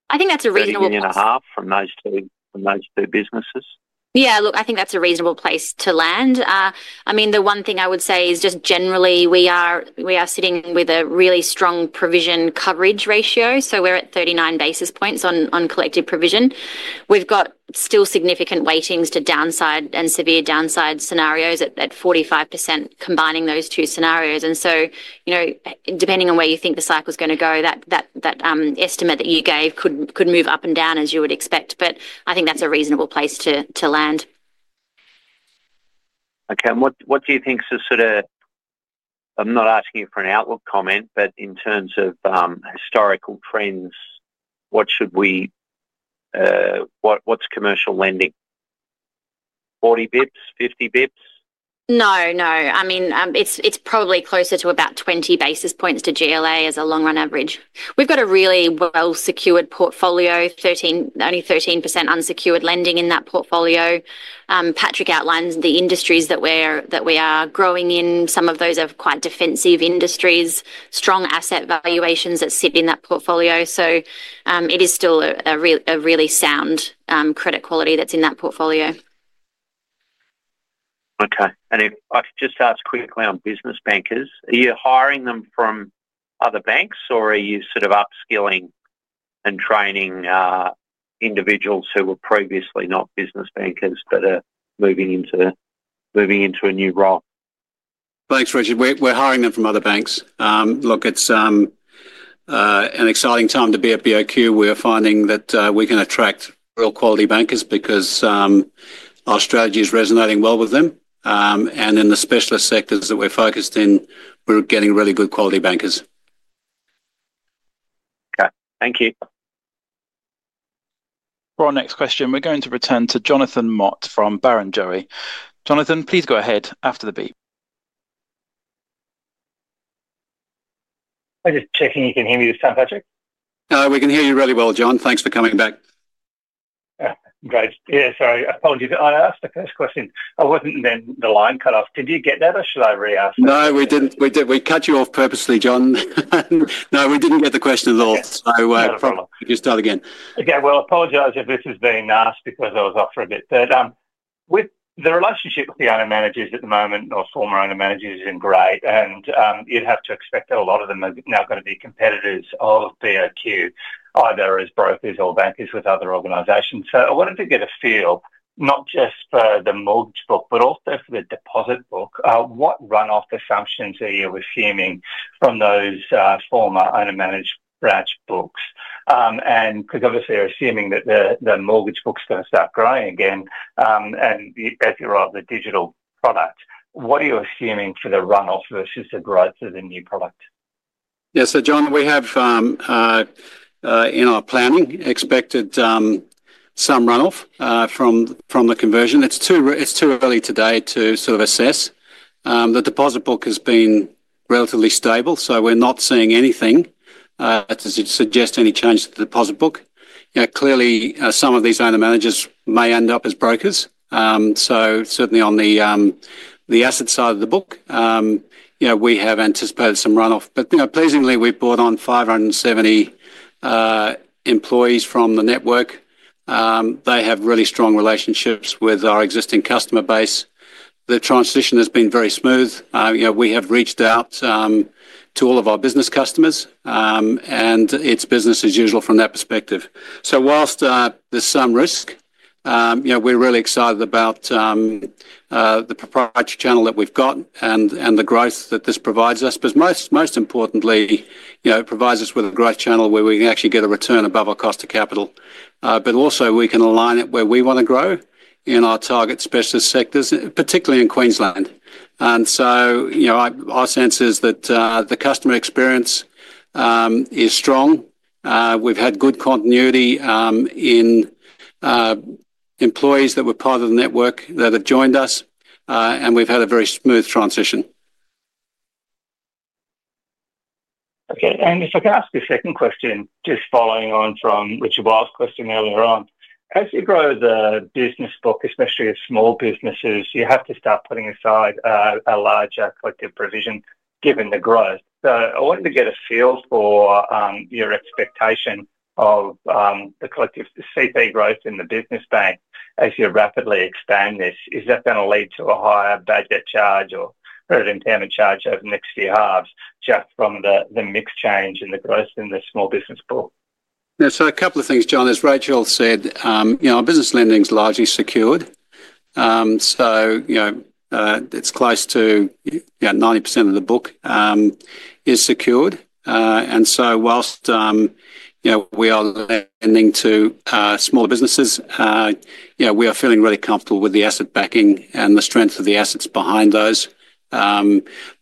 I think that is a reasonable place. AUD 18.5 million from those two businesses? Yeah, look, I think that is a reasonable place to land. I mean, the one thing I would say is just generally, we are sitting with a really strong provision coverage ratio. We are at 39 basis points on collective provision. We've got still significant weightings to downside and severe downside scenarios at 45% combining those two scenarios. Depending on where you think the cycle is going to go, that estimate that you gave could move up and down as you would expect. I think that's a reasonable place to land. Okay. What do you think is sort of, I'm not asking you for an outlook comment, but in terms of historical trends, what's commercial lending? 40 basis points, 50 basis points? No, no. I mean, it's probably closer to about 20 basis points to GLA as a long-run average. We've got a really well-secured portfolio, only 13% unsecured lending in that portfolio. Patrick outlines the industries that we are growing in. Some of those are quite defensive industries, strong asset valuations that sit in that portfolio.It is still a really sound credit quality that's in that portfolio. Okay. And if I could just ask quickly on business bankers, are you hiring them from other banks or are you sort of upskilling and training individuals who were previously not business bankers but are moving into a new role? Thanks, Richard. We're hiring them from other banks. Look, it's an exciting time to be at BOQ. We are finding that we can attract real quality bankers because our strategy is resonating well with them. In the specialist sectors that we're focused in, we're getting really good quality bankers. Okay. Thank you. For our next question, we're going to return to Jonathan Mott from Barrenjoey. Jonathan, please go ahead after the beep. I'm just checking if you can hear me this time, Patrick. We can hear you really well, John. Thanks for coming back. Great. Sorry, apologies. I asked the first question. I wasn't in the line cut off. Did you get that or should I re-ask? No, we didn't. We cut you off purposely, John. No, we didn't get the question at all. You start again. Okay. Apologise if this has been asked because I was off for a bit. The relationship with the owner-managers at the moment, or former owner-managers, isn't great. You'd have to expect that a lot of them are now going to be competitors of BOQ, either as brokers or bankers with other organisations. I wanted to get a feel, not just for the mortgage book, but also for the deposit book, what run-off assumptions are you assuming from those former owner-managed branch books? Obviously, you're assuming that the mortgage book's going to start growing again, and as you're of the digital product, what are you assuming for the run-off versus the growth of the new product? Yeah. John, we have in our planning expected some run-off from the conversion. It's too early today to sort of assess. The deposit book has been relatively stable. We're not seeing anything to suggest any change to the deposit book. Clearly, some of these owner-managers may end up as brokers. Certainly on the asset side of the book, we have anticipated some run-off. Pleasingly, we've brought on 570 employees from the network. They have really strong relationships with our existing customer base. The transition has been very smooth. We have reached out to all of our business customers, and it's business as usual from that perspective. Whilst there's some risk, we're really excited about the proprietary channel that we've got and the growth that this provides us. Most importantly, it provides us with a growth channel where we can actually get a return above our cost of capital. Also, we can align it where we want to grow in our target specialist sectors, particularly in Queensland. Our sense is that the customer experience is strong. We've had good continuity in employees that were part of the network that have joined us, and we've had a very smooth transition. Okay. If I can ask a second question, just following on from Richard Wiles' question earlier on, as you grow the business book, especially as small businesses, you have to start putting aside a larger collective provision given the growth. I wanted to get a feel for your expectation of the collective CP growth in the business bank as you rapidly expand this. Is that going to lead to a higher badger charge or herd impairment charge over the next few halves just from the mix change in the growth in the small business book? Yeah. A couple of things, John. As Racheal said, our business lending's largely secured. It's close to 90% of the book is secured. Whilst we are lending to small businesses, we are feeling really comfortable with the asset backing and the strength of the assets behind those.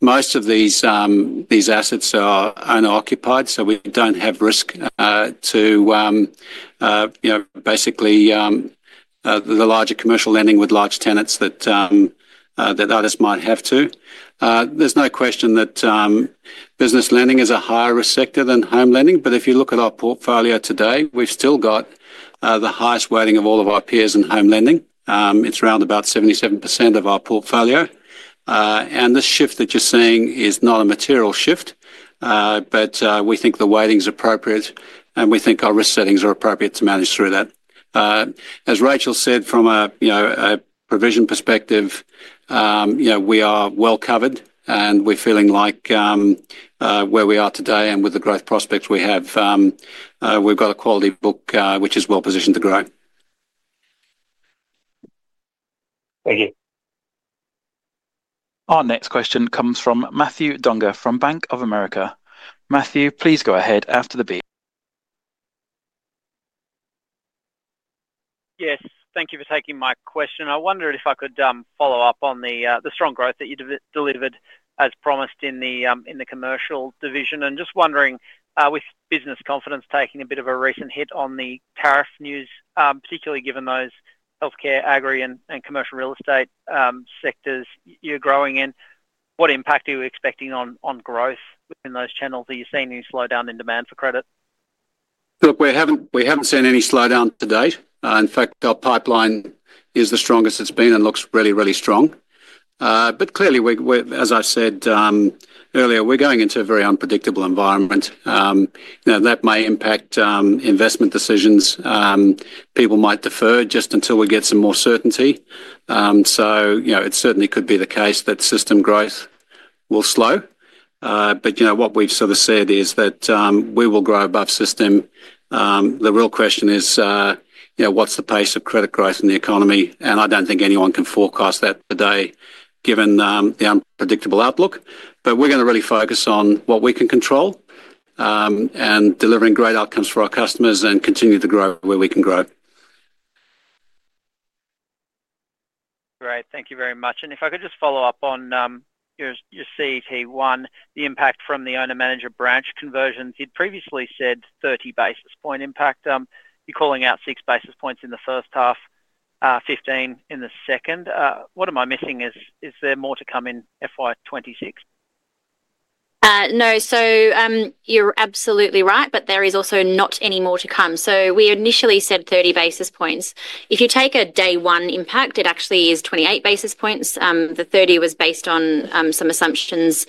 Most of these assets are owner-occupied, so we don't have risk to basically the larger commercial lending with large tenants that others might have to. There's no question that business lending is a higher risk sector than home lending. If you look at our portfolio today, we've still got the highest weighting of all of our peers in home lending. It's around about 77% of our portfolio. This shift that you're seeing is not a material shift, but we think the weighting's appropriate, and we think our risk settings are appropriate to manage through that. As Racheal said, from a provision perspective, we are well covered, and we're feeling like where we are today and with the growth prospects we have, we've got a quality book which is well positioned to grow. Thank you. Our next question comes from Matthew Dunger from Bank of America. Matthew, please go ahead after the beep. Yes. Thank you for taking my question. I wondered if I could follow up on the strong growth that you delivered as promised in the commercial division. Just wondering, with business confidence taking a bit of a recent hit on the tariff news, particularly given those healthcare, agri, and commercial real estate sectors you're growing in, what impact are you expecting on growth within those channels? Are you seeing any slowdown in demand for credit? Look, we haven't seen any slowdown to date. In fact, our pipeline is the strongest it's been and looks really, really strong. Clearly, as I said earlier, we're going into a very unpredictable environment. That may impact investment decisions. People might defer just until we get some more certainty. It certainly could be the case that system growth will slow. What we've sort of said is that we will grow above system. The real question is, what's the pace of credit growth in the economy? I don't think anyone can forecast that today given the unpredictable outlook. We're going to really focus on what we can control and delivering great outcomes for our customers and continue to grow where we can grow. Great. Thank you very much. If I could just follow up on your CET1, the impact from the owner-manager branch conversions. You'd previously said 30 basis point impact. You're calling out six basis points in the first half, 15 in the second. What am I missing? Is there more to come in FY 2026? No. You're absolutely right, but there is also not any more to come. We initially said 30 basis points. If you take a day-one impact, it actually is 28 basis points. The 30 was based on some assumptions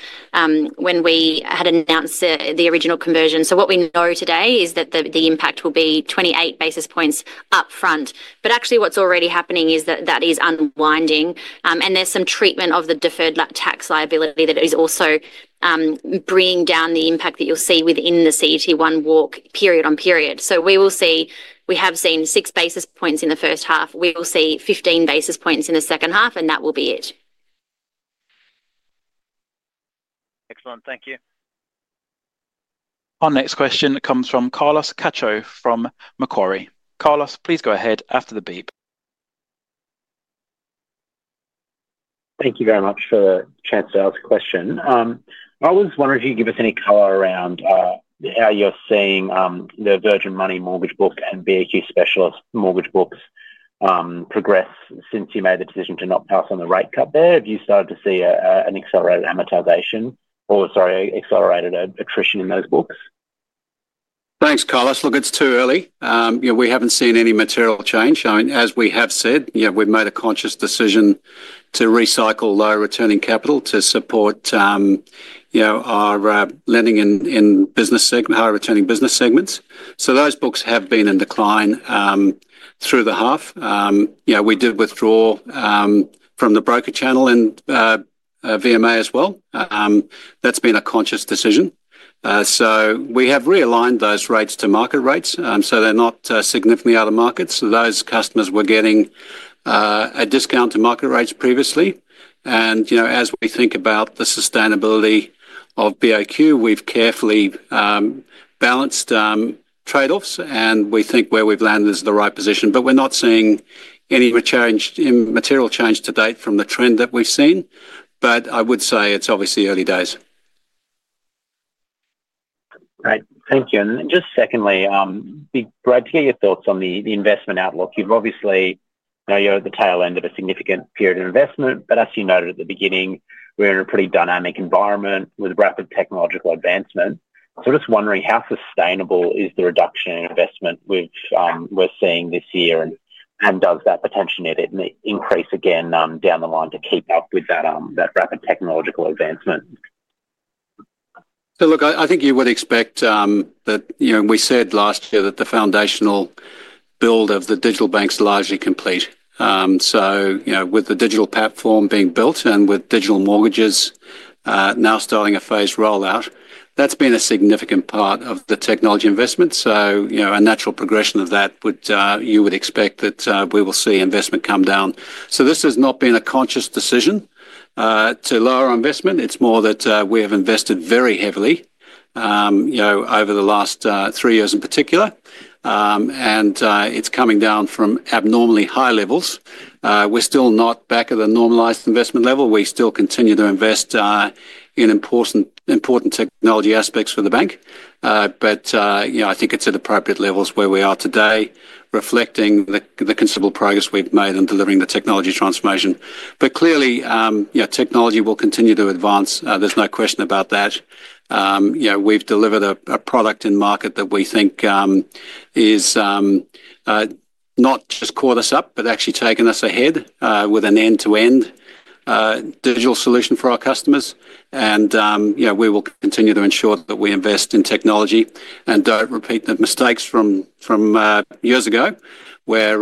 when we had announced the original conversion. What we know today is that the impact will be 28 basis points upfront. Actually, what's already happening is that that is unwinding. There is some treatment of the deferred tax liability that is also bringing down the impact that you'll see within the CET1 walk period on period. We have seen six basis points in the first half. We will see 15 basis points in the second half, and that will be it. Excellent. Thank you. Our next question comes from Carlos Cacho from Macquarie. Carlos, please go ahead after the beep. Thank you very much for the chance to ask a question. I was wondering if you could give us any color around how you're seeing the Virgin Money mortgage book and BOQ specialist mortgage books progress since you made the decision to not pass on the rate cut there. Have you started to see an accelerated amortization or, sorry, accelerated attrition in those books? Thanks, Carlos. Look, it's too early. We haven't seen any material change. I mean, as we have said, we've made a conscious decision to recycle low-returning capital to support our lending in high-returning business segments. Those books have been in decline through the half. We did withdraw from the broker channel and VMA as well. That's been a conscious decision. We have realigned those rates to market rates. They're not significantly out of market. Those customers were getting a discount to market rates previously. As we think about the sustainability of BOQ, we've carefully balanced trade-offs, and we think where we've landed is the right position. We're not seeing any material change to date from the trend that we've seen. I would say it's obviously early days. Great. Thank you. Just secondly, I'd like to get your thoughts on the investment outlook. You've obviously now you're at the tail end of a significant period of investment. As you noted at the beginning, we're in a pretty dynamic environment with rapid technological advancement. I'm just wondering, how sustainable is the reduction in investment we're seeing this year? Does that potentially increase again down the line to keep up with that rapid technological advancement? I think you would expect that we said last year that the foundational build of the digital bank's largely complete. With the digital platform being built and with digital mortgages now starting a phased rollout, that's been a significant part of the technology investment. A natural progression of that, you would expect that we will see investment come down. This has not been a conscious decision to lower our investment. It's more that we have invested very heavily over the last three years in particular. It's coming down from abnormally high levels. We're still not back at a normalised investment level. We still continue to invest in important technology aspects for the bank. I think it's at appropriate levels where we are today, reflecting the considerable progress we've made in delivering the technology transformation. Clearly, technology will continue to advance. There's no question about that. We've delivered a product in market that we think has not just caught us up, but actually taken us ahead with an end-to-end digital solution for our customers. We will continue to ensure that we invest in technology and don't repeat the mistakes from years ago where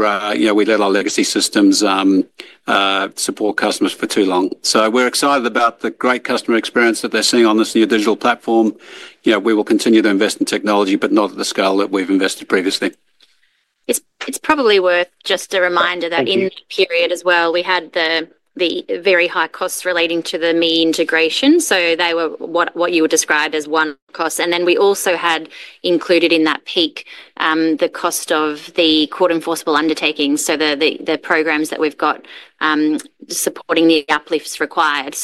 we let our legacy systems support customers for too long. We're excited about the great customer experience that they're seeing on this new digital platform. We will continue to invest in technology, but not at the scale that we've invested previously. It's probably worth just a reminder that in that period as well, we had the very high costs relating to the ME integration. They were what you would describe as one cost. We also had included in that peak the cost of the court-enforceable undertakings, so the programs that we've got supporting the uplifts required.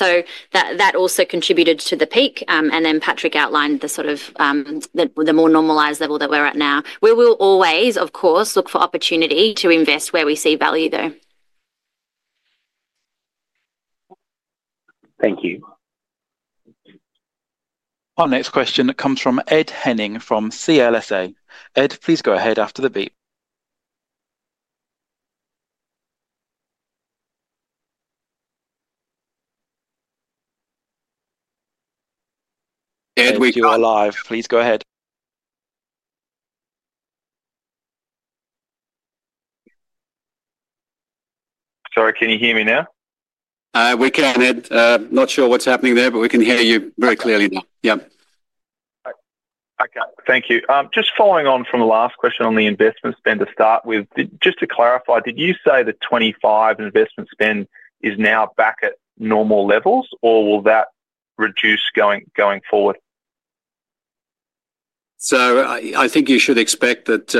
That also contributed to the peak. Patrick outlined the sort of the more normalised level that we're at now. We will always, of course, look for opportunity to invest where we see value, though. Thank you. Our next question comes from Ed Henning from CLSA. Ed, please go ahead after the beep. Ed, we are live. Please go ahead. Sorry, can you hear me now? We can, Ed. Not sure what's happening there, but we can hear you very clearly now. Yeah. Okay. Thank you. Just following on from the last question on the investment spend to start with, just to clarify, did you say the 2025 investment spend is now back at normal levels, or will that reduce going forward? I think you should expect that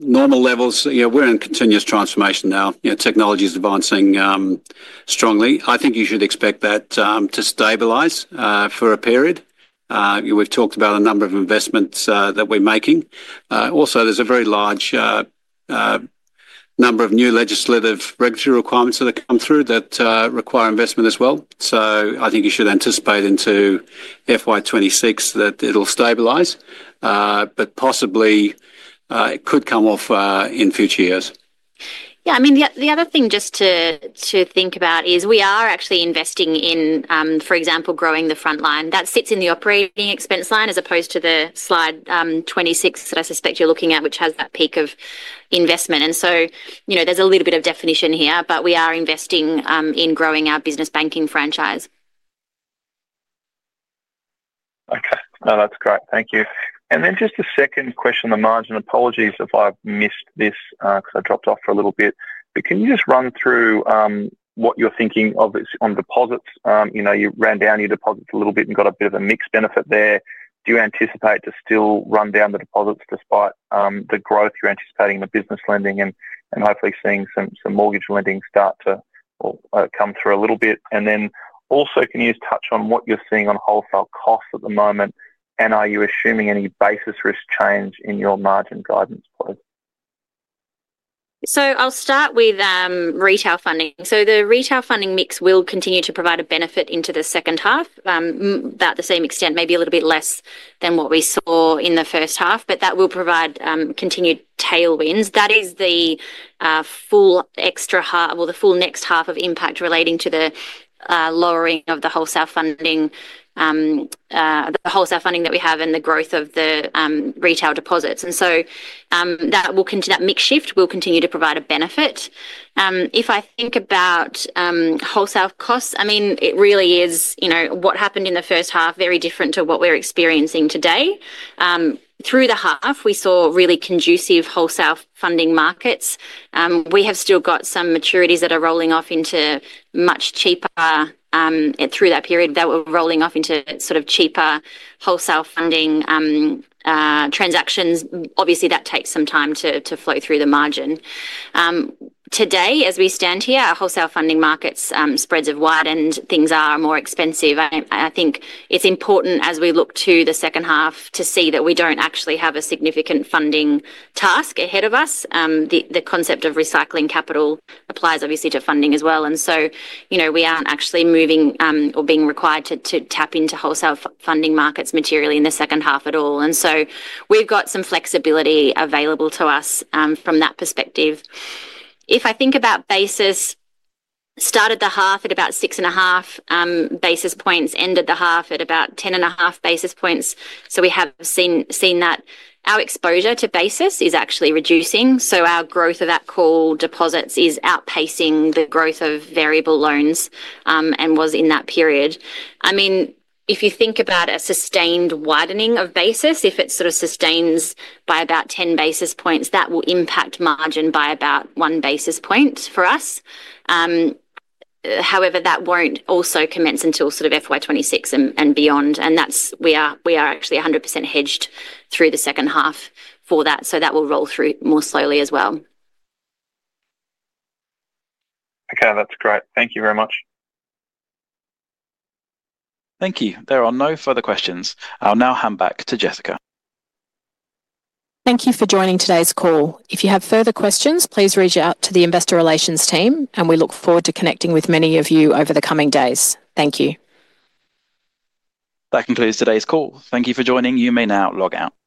normal levels, we're in continuous transformation now. Technology is advancing strongly. I think you should expect that to stabilize for a period. We've talked about a number of investments that we're making. Also, there's a very large number of new legislative regulatory requirements that have come through that require investment as well. I think you should anticipate into FY 2026 that it'll stabilize, but possibly it could come off in future years. Yeah. I mean, the other thing just to think about is we are actually investing in, for example, growing the front line. That sits in the operating expense line as opposed to the slide 26 that I suspect you're looking at, which has that peak of investment. There is a little bit of definition here, but we are investing in growing our business banking franchise. Okay. No, that's great. Thank you. Just a second question on the margin. Apologies if I've missed this because I dropped off for a little bit. Can you just run through what you're thinking of on deposits? You ran down your deposits a little bit and got a bit of a mixed benefit there. Do you anticipate to still run down the deposits despite the growth you're anticipating in the business lending and hopefully seeing some mortgage lending start to come through a little bit? Can you just touch on what you're seeing on wholesale costs at the moment? Are you assuming any basis risk change in your margin guidance, please? I'll start with retail funding. The retail funding mix will continue to provide a benefit into the second half, about the same extent, maybe a little bit less than what we saw in the first half, but that will provide continued tailwinds. That is the full extra half or the full next half of impact relating to the lowering of the wholesale funding that we have and the growth of the retail deposits. That mixed shift will continue to provide a benefit. If I think about wholesale costs, I mean, it really is what happened in the first half, very different to what we're experiencing today. Through the half, we saw really conducive wholesale funding markets. We have still got some maturities that are rolling off into much cheaper through that period that were rolling off into sort of cheaper wholesale funding transactions. Obviously, that takes some time to flow through the margin. Today, as we stand here, our wholesale funding markets spreads have widened. Things are more expensive. I think it's important, as we look to the second half, to see that we don't actually have a significant funding task ahead of us. The concept of recycling capital applies, obviously, to funding as well. We aren't actually moving or being required to tap into wholesale funding markets materially in the second half at all. We have got some flexibility available to us from that perspective. If I think about basis, started the half at about six and a half basis points, ended the half at about ten and a half basis points. We have seen that our exposure to basis is actually reducing. Our growth of that call deposits is outpacing the growth of variable loans and was in that period. I mean, if you think about a sustained widening of basis, if it sort of sustains by about ten basis points, that will impact margin by about one basis point for us. However, that will not also commence until sort of FY 2026 and beyond. We are actually 100% hedged through the second half for that. That will roll through more slowly as well. Okay. That is great. Thank you very much. Thank you. There are no further questions. I'll now hand back to Jessica. Thank you for joining today's call. If you have further questions, please reach out to the investor relations team, and we look forward to connecting with many of you over the coming days. Thank you. That concludes today's call. Thank you for joining. You may now log out.